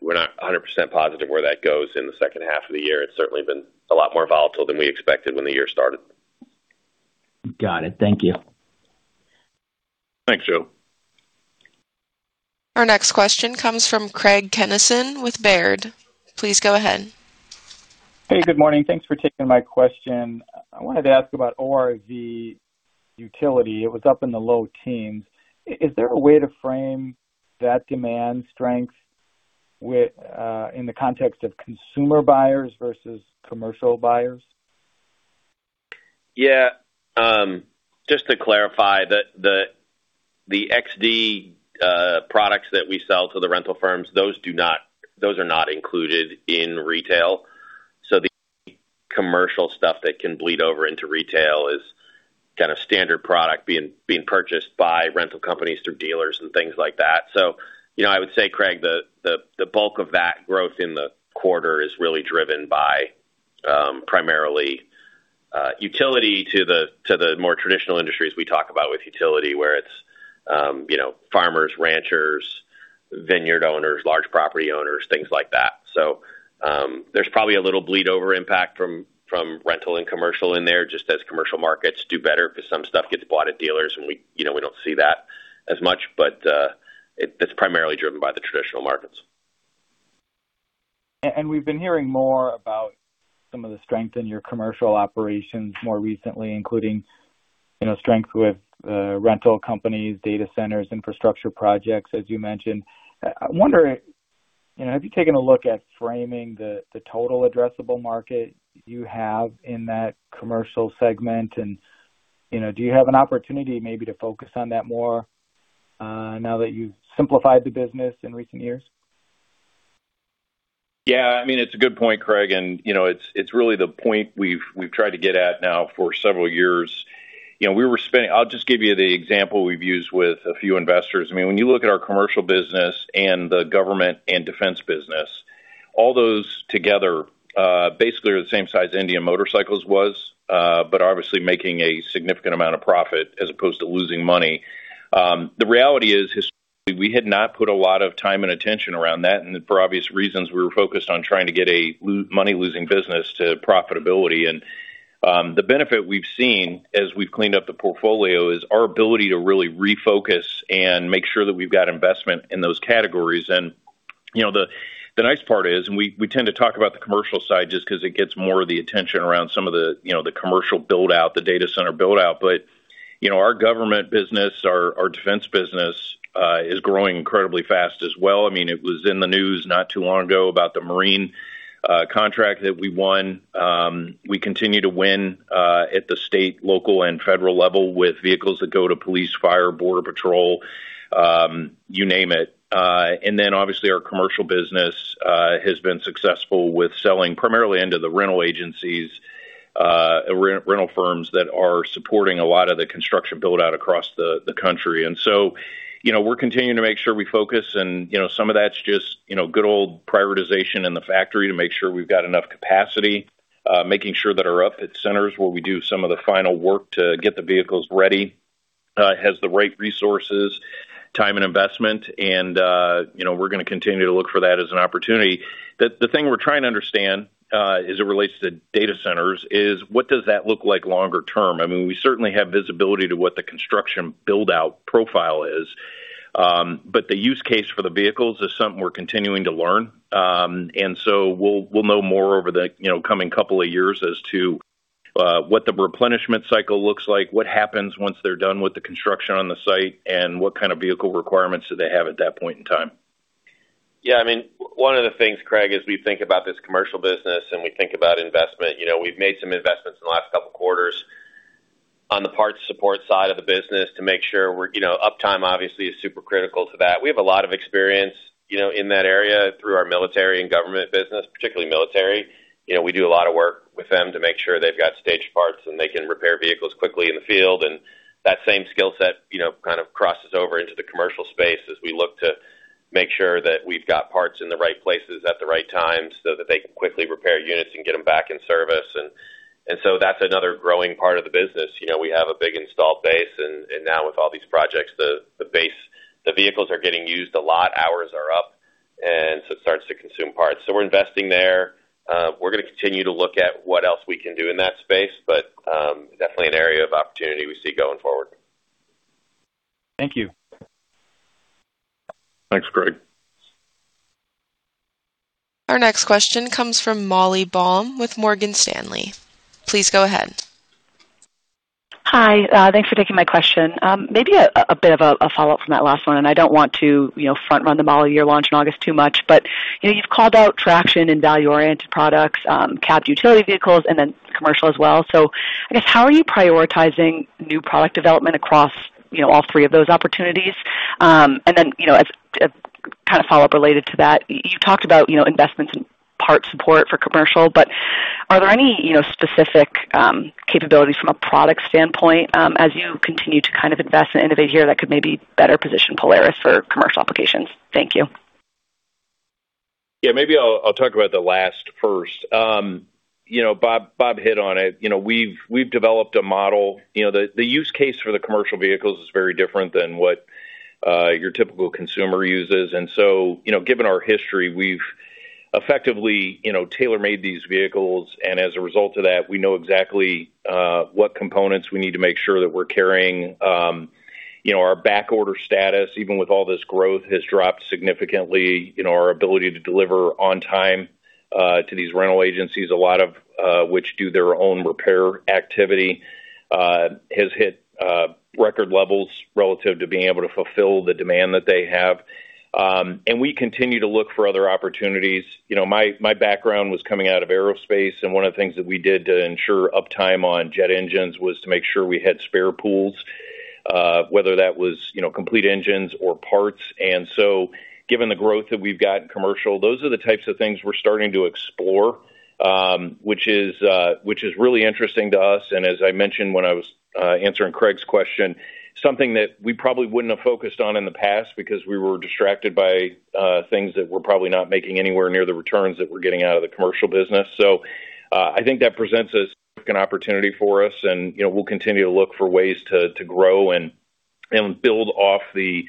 Speaker 4: We're not 100% positive where that goes in the second half of the year. It's certainly been a lot more volatile than we expected when the year started.
Speaker 6: Got it. Thank you.
Speaker 3: Thanks, Joe.
Speaker 1: Our next question comes from Craig Kennison with Baird. Please go ahead.
Speaker 7: Hey, good morning. Thanks for taking my question. I wanted to ask about ORV utility. It was up in the low teens. Is there a way to frame that demand strength in the context of consumer buyers versus commercial buyers?
Speaker 4: Yeah. Just to clarify, the Pro XD products that we sell to the rental firms, those are not included in retail. The commercial stuff that can bleed over into retail is kind of standard product being purchased by rental companies through dealers and things like that. I would say, Craig, the bulk of that growth in the quarter is really driven by primarily utility to the more traditional industries we talk about with utility, where it's farmers, ranchers, vineyard owners, large property owners, things like that. There's probably a little bleed-over impact from rental and commercial in there, just as commercial markets do better because some stuff gets bought at dealers, and we don't see that as much. It's primarily driven by the traditional markets.
Speaker 7: We've been hearing more about some of the strength in your commercial operations more recently, including strength with rental companies, data centers, infrastructure projects, as you mentioned. I wonder, have you taken a look at framing the total addressable market you have in that commercial segment? Do you have an opportunity maybe to focus on that more now that you've simplified the business in recent years?
Speaker 3: Yeah. It's a good point, Craig, and it's really the point we've tried to get at now for several years. I'll just give you the example we've used with a few investors. When you look at our commercial business and the government and defense business, all those together basically are the same size Indian Motorcycle was, but obviously making a significant amount of profit as opposed to losing money. The reality is, historically, we had not put a lot of time and attention around that, and for obvious reasons, we were focused on trying to get a money-losing business to profitability. The benefit we've seen as we've cleaned up the portfolio is our ability to really refocus and make sure that we've got investment in those categories. The nice part is, we tend to talk about the commercial side just because it gets more of the attention around some of the commercial build-out, the data center build-out. Our government business, our defense business is growing incredibly fast as well. It was in the news not too long ago about the Marine contract that we won. We continue to win at the state, local, and federal level with vehicles that go to police, fire, border patrol, you name it. Obviously our commercial business has been successful with selling primarily into the rental agencies, rental firms that are supporting a lot of the construction build-out across the country. We're continuing to make sure we focus and some of that's just good old prioritization in the factory to make sure we've got enough capacity, making sure that our upfit centers, where we do some of the final work to get the vehicles ready, has the right resources, time, and investment. We're going to continue to look for that as an opportunity. The thing we're trying to understand, as it relates to data centers, is what does that look like longer term? We certainly have visibility to what the construction build-out profile is. The use case for the vehicles is something we're continuing to learn. We'll know more over the coming couple of years as to what the replenishment cycle looks like, what happens once they're done with the construction on the site, and what kind of vehicle requirements do they have at that point in time.
Speaker 4: Yeah. One of the things, Craig, as we think about this commercial business and we think about investment, we've made some investments in the last couple of quarters on the parts support side of the business to make sure uptime obviously is super critical to that. We have a lot of experience in that area through our military and government business, particularly military. We do a lot of work with them to make sure they've got staged parts and they can repair vehicles quickly in the field. That same skill set kind of crosses over into the commercial space as we look to make sure that we've got parts in the right places at the right time so that they can quickly repair units and get them back in service. That's another growing part of the business. We have a big installed base. Now with all these projects, the vehicles are getting used a lot. Hours are up, so it starts to consume parts. We're investing there. We're going to continue to look at what else we can do in that space, definitely an area of opportunity we see going forward.
Speaker 7: Thank you.
Speaker 3: Thanks, Craig.
Speaker 1: Our next question comes from Molly Baum with Morgan Stanley. Please go ahead.
Speaker 8: Hi. Thanks for taking my question. Maybe a bit of a follow-up from that last one. I don't want to front run the model year launch in August too much. You've called out traction in value-oriented products, cabbed utility vehicles, and then commercial as well. I guess, how are you prioritizing new product development across all three of those opportunities? As a kind of follow-up related to that, you talked about investments in parts support for commercial. Are there any specific capabilities from a product standpoint as you continue to kind of invest and innovate here that could maybe better position Polaris for commercial applications? Thank you.
Speaker 3: Yeah, maybe I'll talk about the last first. Bob hit on it. We've developed a model. The use case for the commercial vehicles is very different than what your typical consumer uses. Given our history, we've effectively tailor-made these vehicles. As a result of that, we know exactly what components we need to make sure that we're carrying. Our backorder status, even with all this growth, has dropped significantly. Our ability to deliver on time to these rental agencies, a lot of which do their own repair activity, has hit record levels relative to being able to fulfill the demand that they have. We continue to look for other opportunities. My background was coming out of aerospace. One of the things that we did to ensure uptime on jet engines was to make sure we had spare pools, whether that was complete engines or parts. Given the growth that we've got in commercial, those are the types of things we're starting to explore, which is really interesting to us. As I mentioned when I was answering Craig's question, something that we probably wouldn't have focused on in the past because we were distracted by things that were probably not making anywhere near the returns that we're getting out of the commercial business. I think that presents a significant opportunity for us. We'll continue to look for ways to grow and build off the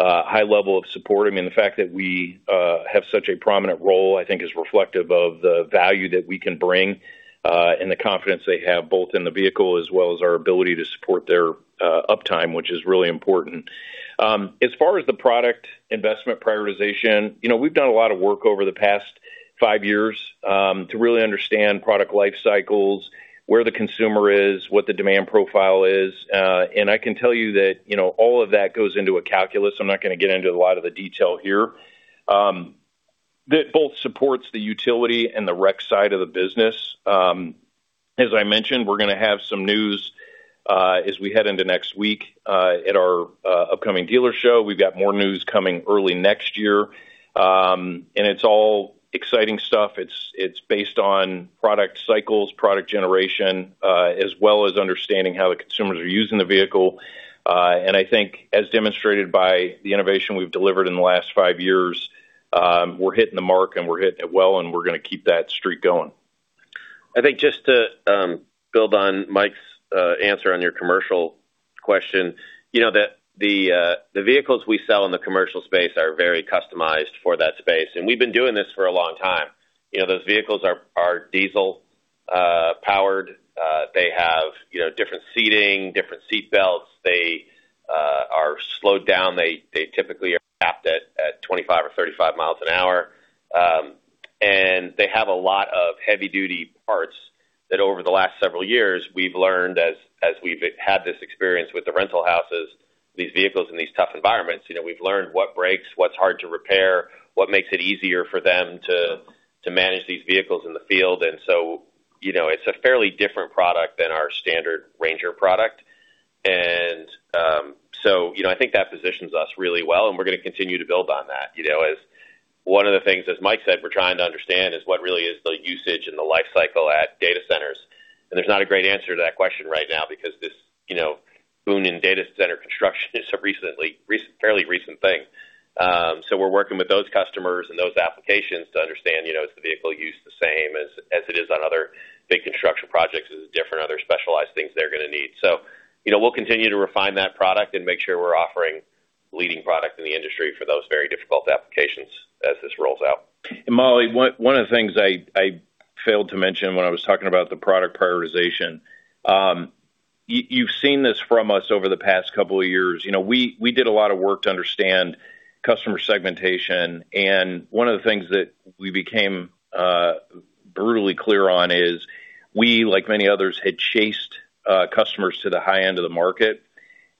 Speaker 3: high level of support. The fact that we have such a prominent role, I think is reflective of the value that we can bring and the confidence they have both in the vehicle as well as our ability to support their uptime, which is really important. As far as the product investment prioritization, we've done a lot of work over the past five years to really understand product life cycles, where the consumer is, what the demand profile is. I can tell you that all of that goes into a calculus, I'm not going to get into a lot of the detail here, that both supports the utility and the rec side of the business. As I mentioned, we're going to have some news as we head into next week at our upcoming dealer show. We've got more news coming early next year. It's all exciting stuff. It's based on product cycles, product generation, as well as understanding how the consumers are using the vehicle. I think as demonstrated by the innovation we've delivered in the last five years, we're hitting the mark and we're hitting it well, and we're going to keep that streak going.
Speaker 4: I think just to build on Mike's answer on your commercial question. The vehicles we sell in the commercial space are very customized for that space, and we've been doing this for a long time. Those vehicles are diesel-powered. They have different seating, different seat belts. They are slowed down. They typically are capped at 25 or 35 miles an hour. They have a lot of heavy duty parts that over the last several years we've learned as we've had this experience with the rental houses, these vehicles in these tough environments. We've learned what breaks, what's hard to repair, what makes it easier for them to manage these vehicles in the field. So, it's a fairly different product than our standard RANGER product. So I think that positions us really well, and we're going to continue to build on that. As one of the things, as Mike said, we're trying to understand is what really is the usage and the life cycle at data centers. There's not a great answer to that question right now because this boon in data center construction is a fairly recent thing. We're working with those customers and those applications to understand, is the vehicle used the same as it is on other big construction projects? Is it different, other specialized things they're going to need? We'll continue to refine that product and make sure we're offering leading product in the industry for those very difficult applications as this rolls out.
Speaker 3: Molly, one of the things I failed to mention when I was talking about the product prioritization. You've seen this from us over the past couple of years. We did a lot of work to understand customer segmentation, and one of the things that we became brutally clear on is we, like many others, had chased customers to the high end of the market,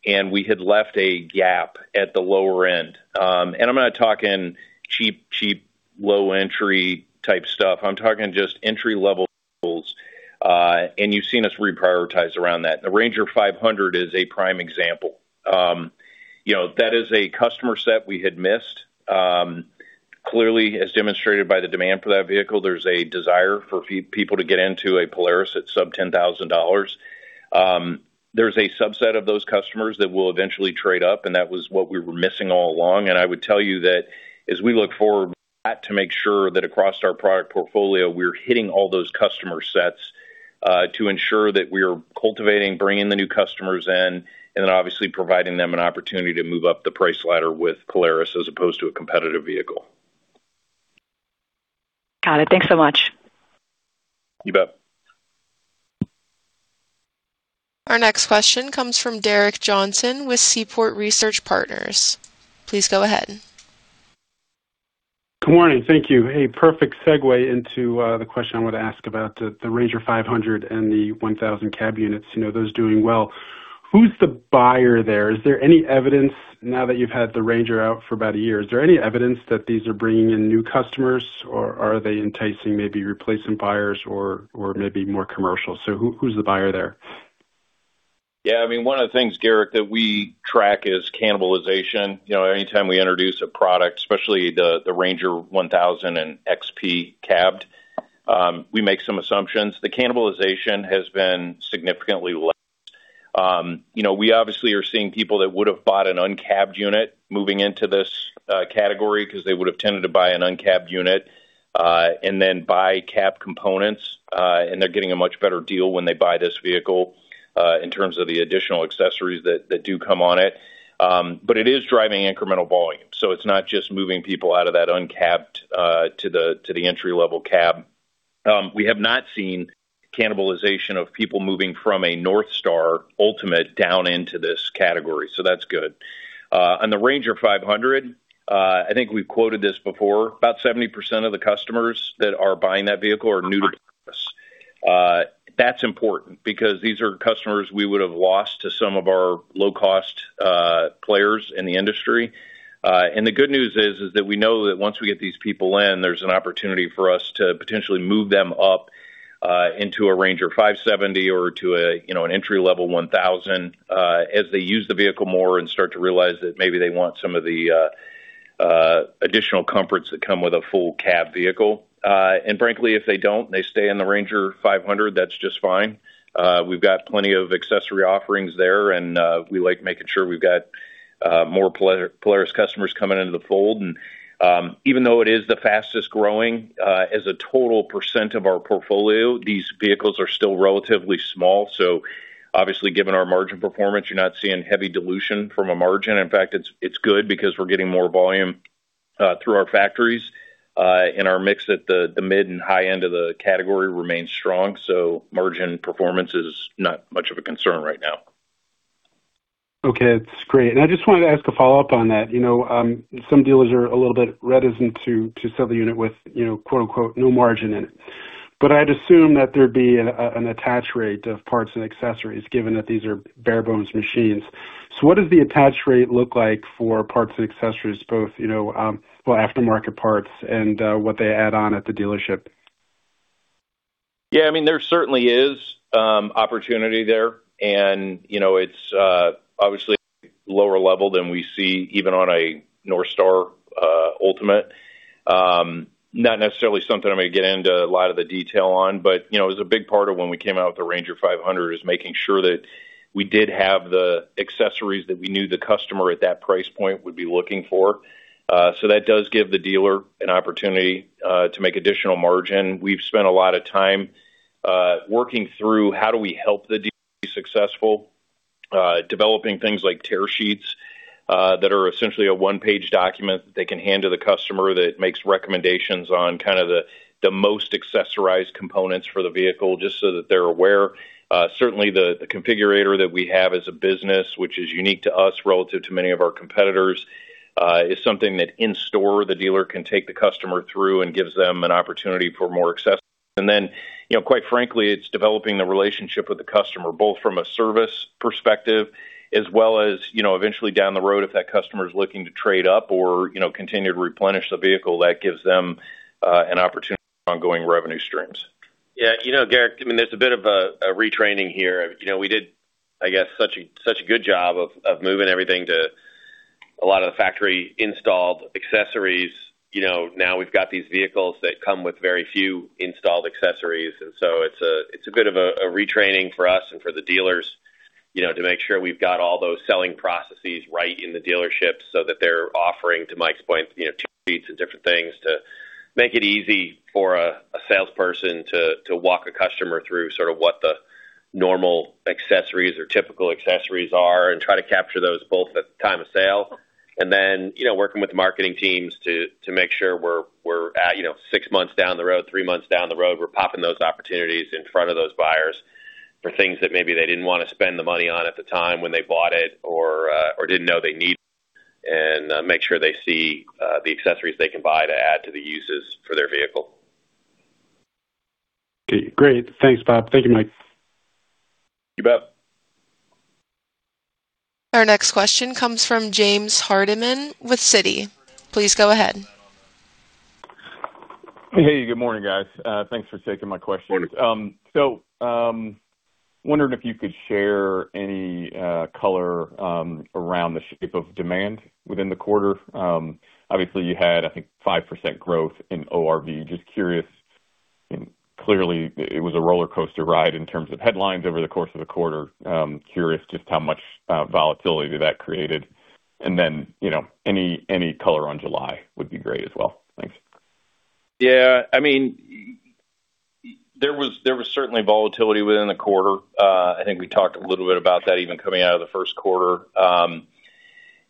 Speaker 3: and we had left a gap at the lower end. I'm not talking cheap, low entry type stuff. I'm talking just entry level vehicles. You've seen us reprioritize around that. The RANGER 500 is a prime example. That is a customer set we had missed. Clearly, as demonstrated by the demand for that vehicle, there's a desire for people to get into a Polaris at sub-$10,000. There's a subset of those customers that will eventually trade up, that was what we were missing all along. I would tell you that as we look forward to make sure that across our product portfolio, we're hitting all those customer sets, to ensure that we are cultivating, bringing the new customers in, and then obviously providing them an opportunity to move up the price ladder with Polaris as opposed to a competitive vehicle.
Speaker 8: Got it. Thanks so much.
Speaker 3: You bet.
Speaker 1: Our next question comes from Gerrick Johnson with Seaport Research Partners. Please go ahead.
Speaker 9: Good morning. Thank you. A perfect segue into the question I want to ask about the RANGER 500 and the RANGER 1000 cab units. Those doing well. Who's the buyer there? Is there any evidence now that you've had the RANGER out for about a year, is there any evidence that these are bringing in new customers, or are they enticing maybe replacement buyers or maybe more commercial? Who's the buyer there?
Speaker 3: Yeah. One of the things, Gerrick, that we track is cannibalization. Anytime we introduce a product, especially the RANGER 1000 and XP cabbed, we make some assumptions. The cannibalization has been significantly less. We obviously are seeing people that would have bought an uncabbed unit moving into this category because they would have tended to buy an uncabbed unit, and then buy cab components. They're getting a much better deal when they buy this vehicle, in terms of the additional accessories that do come on it. It is driving incremental volume, it's not just moving people out of that uncapped to the entry level cab. We have not seen cannibalization of people moving from a NorthStar Ultimate down into this category, that's good. On the RANGER 500, I think we've quoted this before. About 70% of the customers that are buying that vehicle are new to Polaris. That's important because these are customers we would have lost to some of our low-cost players in the industry. The good news is that we know that once we get these people in, there's an opportunity for us to potentially move them up into a RANGER 570 or to an entry level RANGER 1000, as they use the vehicle more and start to realize that maybe they want some of the additional comforts that come with a full cab vehicle. Frankly, if they don't, they stay in the RANGER 500, that's just fine. We've got plenty of accessory offerings there, we like making sure we've got more Polaris customers coming into the fold. Even though it is the fastest growing, as a total percent of our portfolio, these vehicles are still relatively small. Obviously, given our margin performance, you're not seeing heavy dilution from a margin. In fact, it's good because we're getting more volume through our factories. Our mix at the mid and high end of the category remains strong, margin performance is not much of a concern right now.
Speaker 9: Okay. That's great. I just wanted to ask a follow-up on that. Some dealers are a little bit reticent to sell the unit with "no margin" in it. I'd assume that there'd be an attach rate of parts and accessories given that these are bare bones machines. What does the attach rate look like for parts and accessories, both for aftermarket parts and what they add on at the dealership?
Speaker 3: Yeah, there certainly is opportunity there, and it's obviously lower level than we see even on a NorthStar Ultimate. Not necessarily something I'm going to get into a lot of the detail on, but it was a big part of when we came out with the RANGER 500 is making sure that we did have the accessories that we knew the customer at that price point would be looking for. That does give the dealer an opportunity to make additional margin. We've spent a lot of time working through how do we help the dealer be successful, developing things like tear sheets that are essentially a one-page document that they can hand to the customer that makes recommendations on the most accessorized components for the vehicle, just so that they're aware. Certainly, the configurator that we have as a business, which is unique to us relative to many of our competitors, is something that in store the dealer can take the customer through and gives them an opportunity for more accessories. Quite frankly, it's developing the relationship with the customer, both from a service perspective as well as, eventually down the road, if that customer is looking to trade up or continue to replenish the vehicle, that gives them an opportunity for ongoing revenue streams.
Speaker 4: Yeah. Gerrick, there's a bit of a retraining here. We did such a good job of moving everything to a lot of the factory-installed accessories. It's a bit of a retraining for us and for the dealers, to make sure we've got all those selling processes right in the dealership so that they're offering, to Mike's point, two sheets of different things to make it easy for a salesperson to walk a customer through what the normal accessories or typical accessories are and try to capture those both at the time of sale. Then, working with the marketing teams to make sure we're at six months down the road, three months down the road, we're popping those opportunities in front of those buyers for things that maybe they didn't want to spend the money on at the time when they bought it or didn't know they need, and make sure they see the accessories they can buy to add to the uses for their vehicle.
Speaker 9: Okay, great. Thanks, Bob. Thank you, Mike.
Speaker 4: You bet.
Speaker 1: Our next question comes from James Hardiman with Citi. Please go ahead.
Speaker 10: Hey, good morning, guys. Thanks for taking my questions.
Speaker 3: Sure.
Speaker 10: Wondering if you could share any color around the shape of demand within the quarter. Obviously, you had, I think, 5% growth in ORV. Just curious, clearly it was a roller coaster ride in terms of headlines over the course of the quarter. Curious just how much volatility that created. Any color on July would be great as well. Thanks.
Speaker 3: Yeah. There was certainly volatility within the quarter. I think we talked a little bit about that even coming out of the first quarter.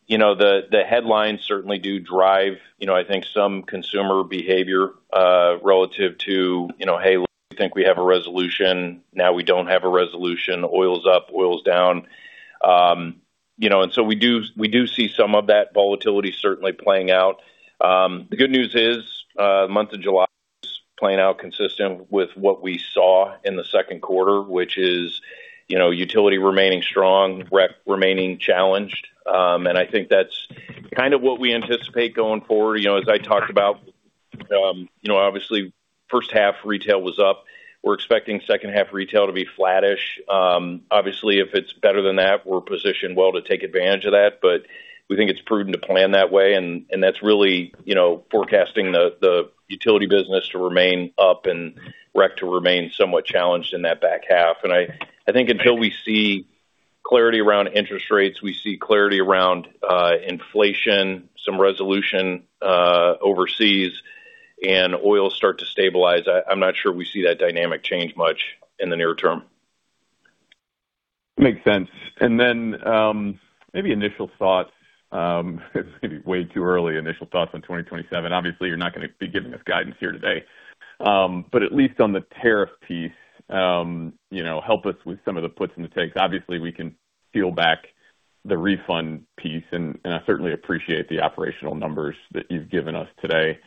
Speaker 3: The headlines certainly do drive some consumer behavior, relative to, "Hey, we think we have a resolution, now we don't have a resolution. Oil's up, oil's down." We do see some of that volatility certainly playing out. The good news is, the month of July is playing out consistent with what we saw in the second quarter, which is utility remaining strong, rec remaining challenged. I think that's what we anticipate going forward. As I talked about, obviously first half retail was up. We're expecting second half retail to be flattish. Obviously, if it's better than that, we're positioned well to take advantage of that, but we think it's prudent to plan that way, and that's really forecasting the utility business to remain up and rec to remain somewhat challenged in that back half. I think until we see clarity around interest rates, we see clarity around inflation, some resolution overseas, and oil start to stabilize, I'm not sure we see that dynamic change much in the near term.
Speaker 10: Makes sense. Maybe initial thought, this may be way too early, initial thoughts on 2027. Obviously, you're not going to be giving us guidance here today. At least on the tariff piece, help us with some of the puts and the takes. Obviously, we can peel back the refund piece, and I certainly appreciate the operational numbers that you've given us today.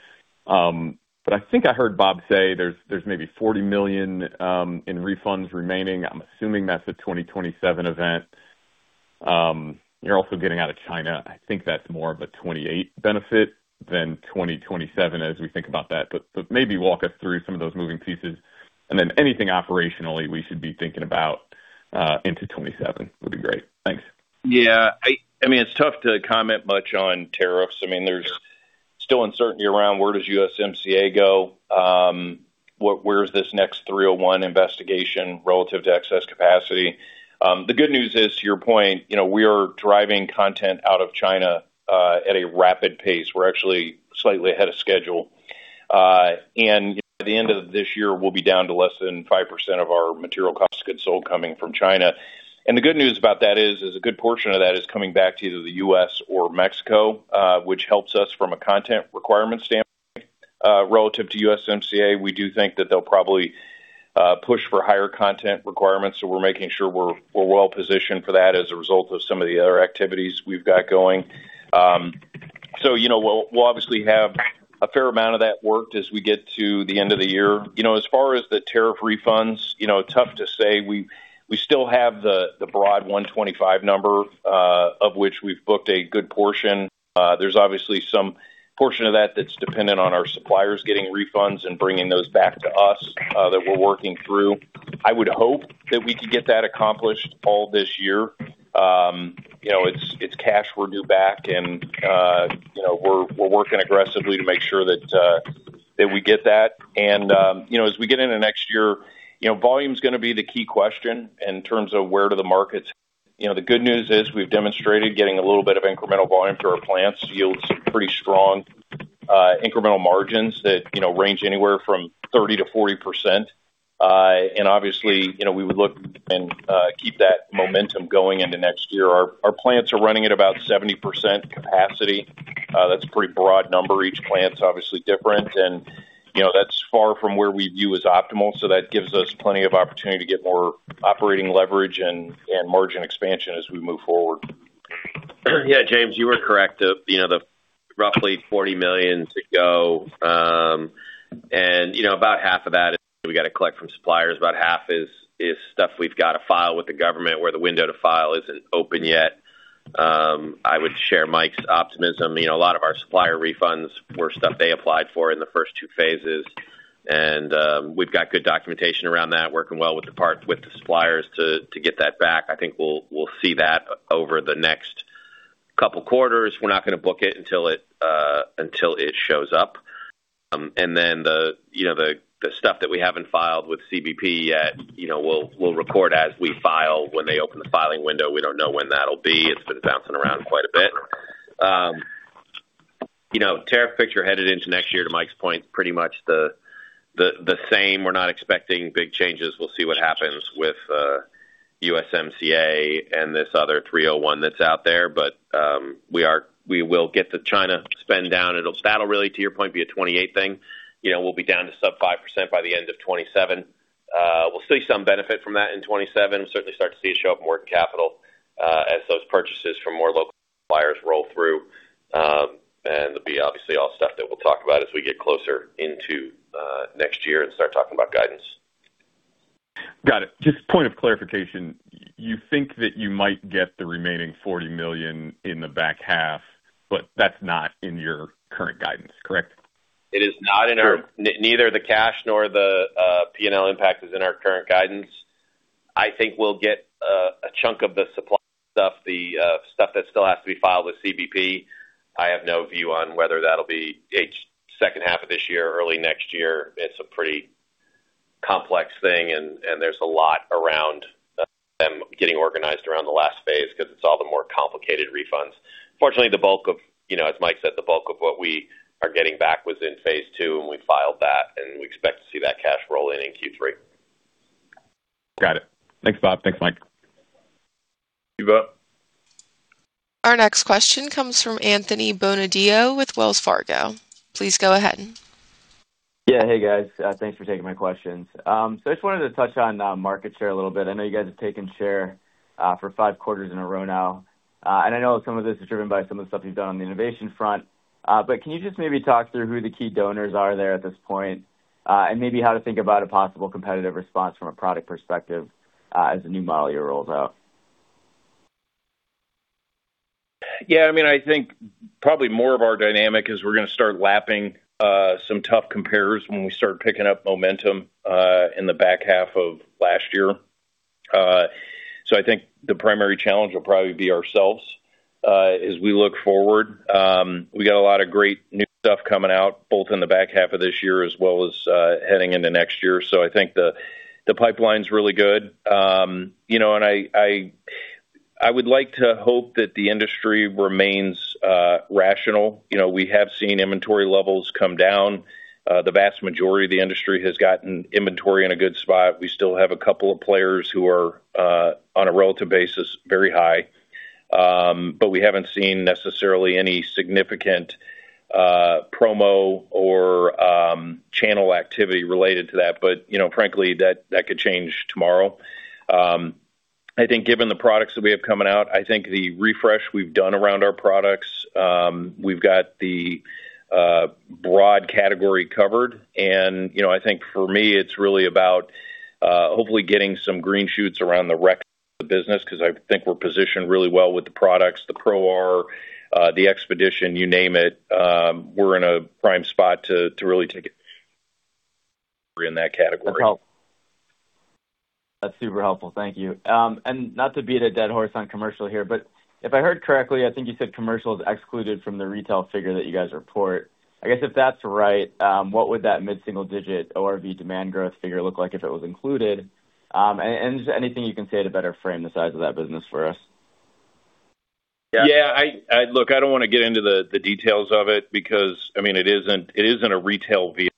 Speaker 10: I think I heard Bob say there's maybe $40 million in refunds remaining. I'm assuming that's a 2027 event. You're also getting out of China. I think that's more of a 2028 benefit than 2027 as we think about that. Maybe walk us through some of those moving pieces, and then anything operationally we should be thinking about into 2027 would be great. Thanks.
Speaker 3: Yeah. It's tough to comment much on tariffs. There's still uncertainty around where does USMCA go? Where is this next 301 investigation relative to excess capacity? The good news is, to your point, we are driving content out of China at a rapid pace. We're actually slightly ahead of schedule. By the end of this year, we'll be down to less than 5% of our material cost of goods sold coming from China. The good news about that is a good portion of that is coming back to either the U.S. or Mexico, which helps us from a content requirement standpoint. Relative to USMCA, we do think that they'll probably push for higher content requirements, we're making sure we're well-positioned for that as a result of some of the other activities we've got going. We'll obviously have a fair amount of that worked as we get to the end of the year. As far as the tariff refunds, tough to say. We still have the broad 125 number, of which we've booked a good portion. There's obviously some portion of that that's dependent on our suppliers getting refunds and bringing those back to us that we're working through. I would hope that we could get that accomplished all this year. It's cash we're due back, we're working aggressively to make sure that we get that. As we get into next year, volume's going to be the key question in terms of where do the markets The good news is we've demonstrated getting a little bit of incremental volume to our plants yields pretty strong incremental margins that range anywhere from 30%-40%. Obviously, we would look and keep that momentum going into next year. Our plans are running at about 70% capacity. That's a pretty broad number. Each plan is obviously different, and that's far from where we view as optimal. That gives us plenty of opportunity to get more operating leverage and margin expansion as we move forward.
Speaker 4: Yeah, James, you were correct. The roughly $40 million to go. About half of that we got to collect from suppliers, about half is stuff we've got to file with the government where the window to file isn't open yet. I would share Mike's optimism. A lot of our supplier refunds were stuff they applied for in the first two phases, and we've got good documentation around that, working well with the suppliers to get that back. I think we'll see that over the next couple of quarters. We're not going to book it until it shows up. The stuff that we haven't filed with CBP yet, we'll report as we file. When they open the filing window, we don't know when that'll be. It's been bouncing around quite a bit. Tariff picture headed into next year, to Mike's point, pretty much the same. We're not expecting big changes. We'll see what happens with USMCA and this other 301 that's out there. We will get the China spend down. That'll really, to your point, be a 2028 thing. We'll be down to sub 5% by the end of 2027. We'll see some benefit from that in 2027. Certainly start to see it show up in working capital as those purchases from more local buyers roll through. There'll be obviously all stuff that we'll talk about as we get closer into next year and start talking about guidance.
Speaker 10: Got it. Just point of clarification, you think that you might get the remaining $40 million in the back half, that's not in your current guidance, correct?
Speaker 4: It is not in our guidance.
Speaker 10: Sure
Speaker 4: Neither the cash nor the P&L impact is in our current guidance. I think we'll get a chunk of the supply stuff, the stuff that still has to be filed with CBP. I have no view on whether that'll be second half of this year or early next year. It's a pretty complex thing, and there's a lot around them getting organized around the last phase because it's all the more complicated refunds. Fortunately, as Mike said, the bulk of what we are getting back was in phase II, and we filed that, and we expect to see that cash roll in in Q3.
Speaker 10: Got it. Thanks, Bob. Thanks, Mike.
Speaker 3: Thank you, both.
Speaker 1: Our next question comes from Anthony Bonadio with Wells Fargo. Please go ahead.
Speaker 11: Yeah. Hey, guys. Thanks for taking my questions. I just wanted to touch on market share a little bit. I know you guys have taken share for five quarters in a row now. I know some of this is driven by some of the stuff you've done on the innovation front. Can you just maybe talk through who the key donors are there at this point? Maybe how to think about a possible competitive response from a product perspective as the new model year rolls out.
Speaker 3: Yeah, I think probably more of our dynamic is we're going to start lapping some tough comparers when we start picking up momentum in the back half of last year. I think the primary challenge will probably be ourselves as we look forward. We got a lot of great new stuff coming out, both in the back half of this year as well as heading into next year. I think the pipeline's really good. I would like to hope that the industry remains rational. We have seen inventory levels come down. The vast majority of the industry has gotten inventory in a good spot. We still have a couple of players who are, on a relative basis, very high. We haven't seen necessarily any significant promo or channel activity related to that. Frankly, that could change tomorrow. I think given the products that we have coming out, I think the refresh we've done around our products, we've got the broad category covered. I think for me, it's really about hopefully getting some green shoots around the rec of the business, because I think we're positioned really well with the products, the Pro R, the XPEDITION, you name it. We're in a prime spot to really take it in that category.
Speaker 11: That's super helpful. Thank you. Not to beat a dead horse on commercial here, if I heard correctly, I think you said commercial is excluded from the retail figure that you guys report. I guess if that's right, what would that mid-single-digit ORV demand growth figure look like if it was included? Just anything you can say to better frame the size of that business for us?
Speaker 3: Yeah. Look, I don't want to get into the details of it because it isn't a retail vehicle.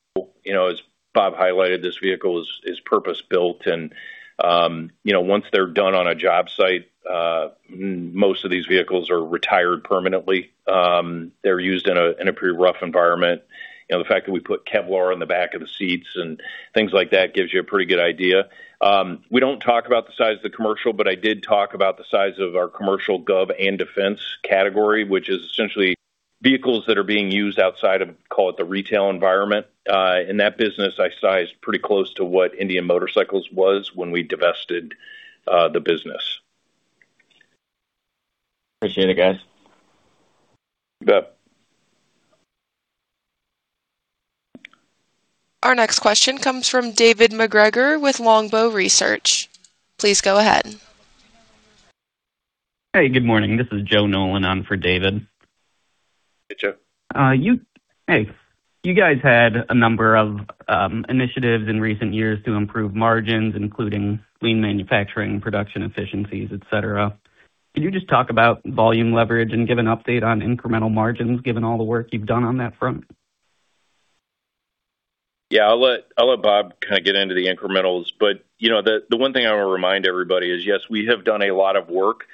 Speaker 3: As Bob highlighted, this vehicle is purpose-built and once they're done on a job site, most of these vehicles are retired permanently. They're used in a pretty rough environment. The fact that we put Kevlar on the back of the seats and things like that gives you a pretty good idea. We don't talk about the size of the commercial, but I did talk about the size of our commercial gov and defense category, which is essentially vehicles that are being used outside of, call it, the retail environment. In that business, I sized pretty close to what Indian Motorcycles was when we divested the business.
Speaker 11: Appreciate it, guys.
Speaker 3: You bet.
Speaker 1: Our next question comes from David MacGregor with Longbow Research. Please go ahead.
Speaker 12: Hey, good morning. This is Joe Nolan on for David.
Speaker 3: Hey, Joe.
Speaker 12: Hey. You guys had a number of initiatives in recent years to improve margins, including Lean manufacturing, production efficiencies, et cetera. Could you just talk about volume leverage and give an update on incremental margins, given all the work you've done on that front?
Speaker 3: Yeah, I'll let Bob get into the incrementals. The one thing I want to remind everybody is, yes, we have done a lot of work.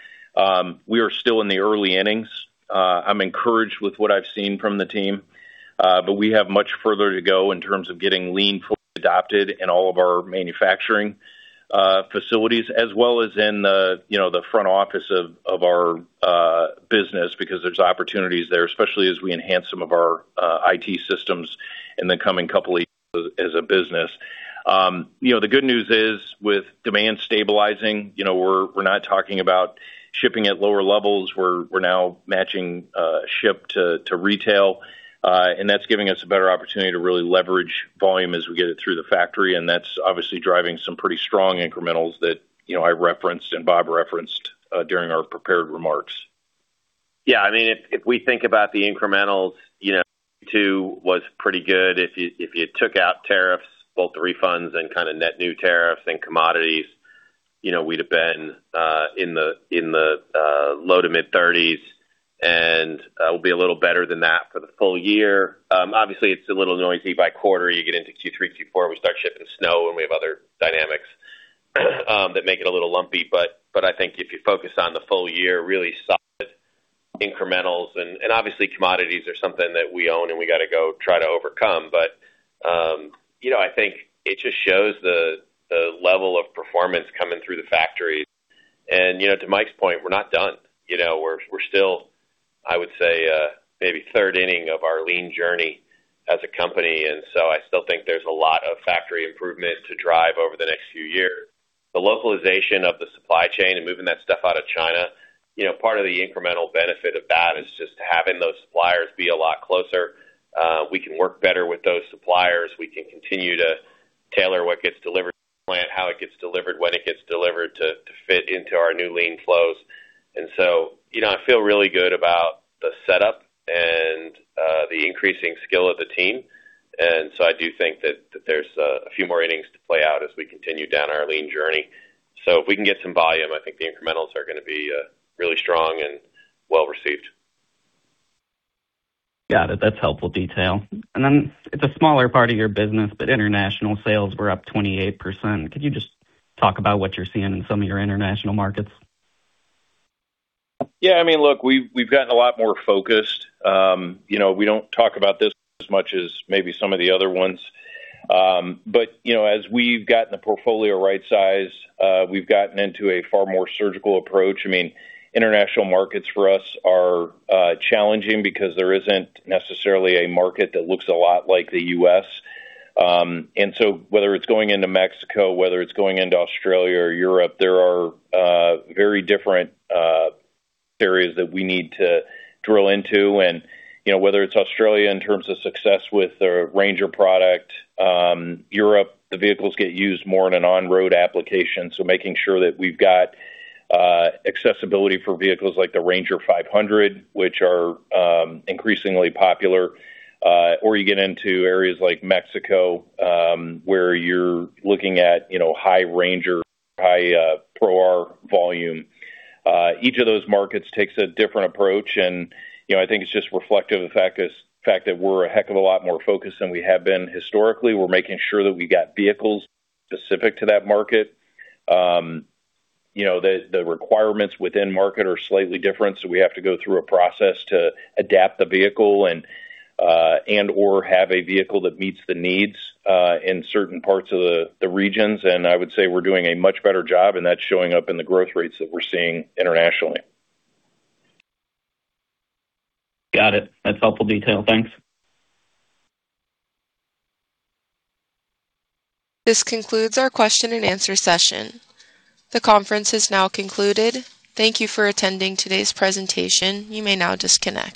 Speaker 3: We are still in the early innings. I'm encouraged with what I've seen from the team, but we have much further to go in terms of getting Lean fully adopted in all of our manufacturing facilities, as well as in the front office of our business, because there's opportunities there, especially as we enhance some of our IT systems in the coming couple of years as a business. The good news is, with demand stabilizing, we're not talking about shipping at lower levels. We're now matching ship to retail, that's giving us a better opportunity to really leverage volume as we get it through the factory, that's obviously driving some pretty strong incrementals that I referenced and Bob referenced during our prepared remarks.
Speaker 4: If we think about the incrementals, Q2 was pretty good. If you took out tariffs, both the refunds and net new tariffs and commodities, we'd have been in the low to mid-30s, we'll be a little better than that for the full-year. Obviously, it's a little noisy by quarter. You get into Q3, Q4, we start shipping snow, we have other dynamics that make it a little lumpy. I think if you focus on the full-year, really solid incrementals. Obviously, commodities are something that we own, we got to go try to overcome. I think it just shows the level of performance coming through the factories. To Mike's point, we're not done. We're still, I would say, maybe third inning of our Lean journey as a company, I still think there's a lot of factory improvement to drive over the next few years. The localization of the supply chain and moving that stuff out of China, part of the incremental benefit of that is just having those suppliers be a lot closer. We can work better with those suppliers. We can continue to tailor what gets delivered to the plant, how it gets delivered, when it gets delivered to fit into our new Lean flows. I feel really good about the setup and the increasing skill of the team. I do think that there's a few more innings to play out as we continue down our Lean journey. If we can get some volume, I think the incrementals are going to be really strong and well-received.
Speaker 12: Got it. That's helpful detail. It's a smaller part of your business, but international sales were up 28%. Could you just talk about what you're seeing in some of your international markets?
Speaker 3: Yeah. Look, we've gotten a lot more focused. We don't talk about this as much as maybe some of the other ones. As we've gotten the portfolio right-sized, we've gotten into a far more surgical approach. International markets for us are challenging because there isn't necessarily a market that looks a lot like the U.S. Whether it's going into Mexico, whether it's going into Australia or Europe, there are very different areas that we need to drill into. Whether it's Australia in terms of success with the RANGER product. Europe, the vehicles get used more in an on-road application, so making sure that we've got accessibility for vehicles like the RANGER 500, which are increasingly popular. Or you get into areas like Mexico, where you're looking at high RANGER, high Pro R volume. Each of those markets takes a different approach, I think it's just reflective of the fact that we're a heck of a lot more focused than we have been historically. We're making sure that we got vehicles specific to that market. The requirements within market are slightly different, so we have to go through a process to adapt the vehicle and/or have a vehicle that meets the needs in certain parts of the regions. I would say we're doing a much better job, that's showing up in the growth rates that we're seeing internationally.
Speaker 12: Got it. That's helpful detail. Thanks.
Speaker 1: This concludes our question-and-answer session. The conference has now concluded. Thank you for attending today's presentation. You may now disconnect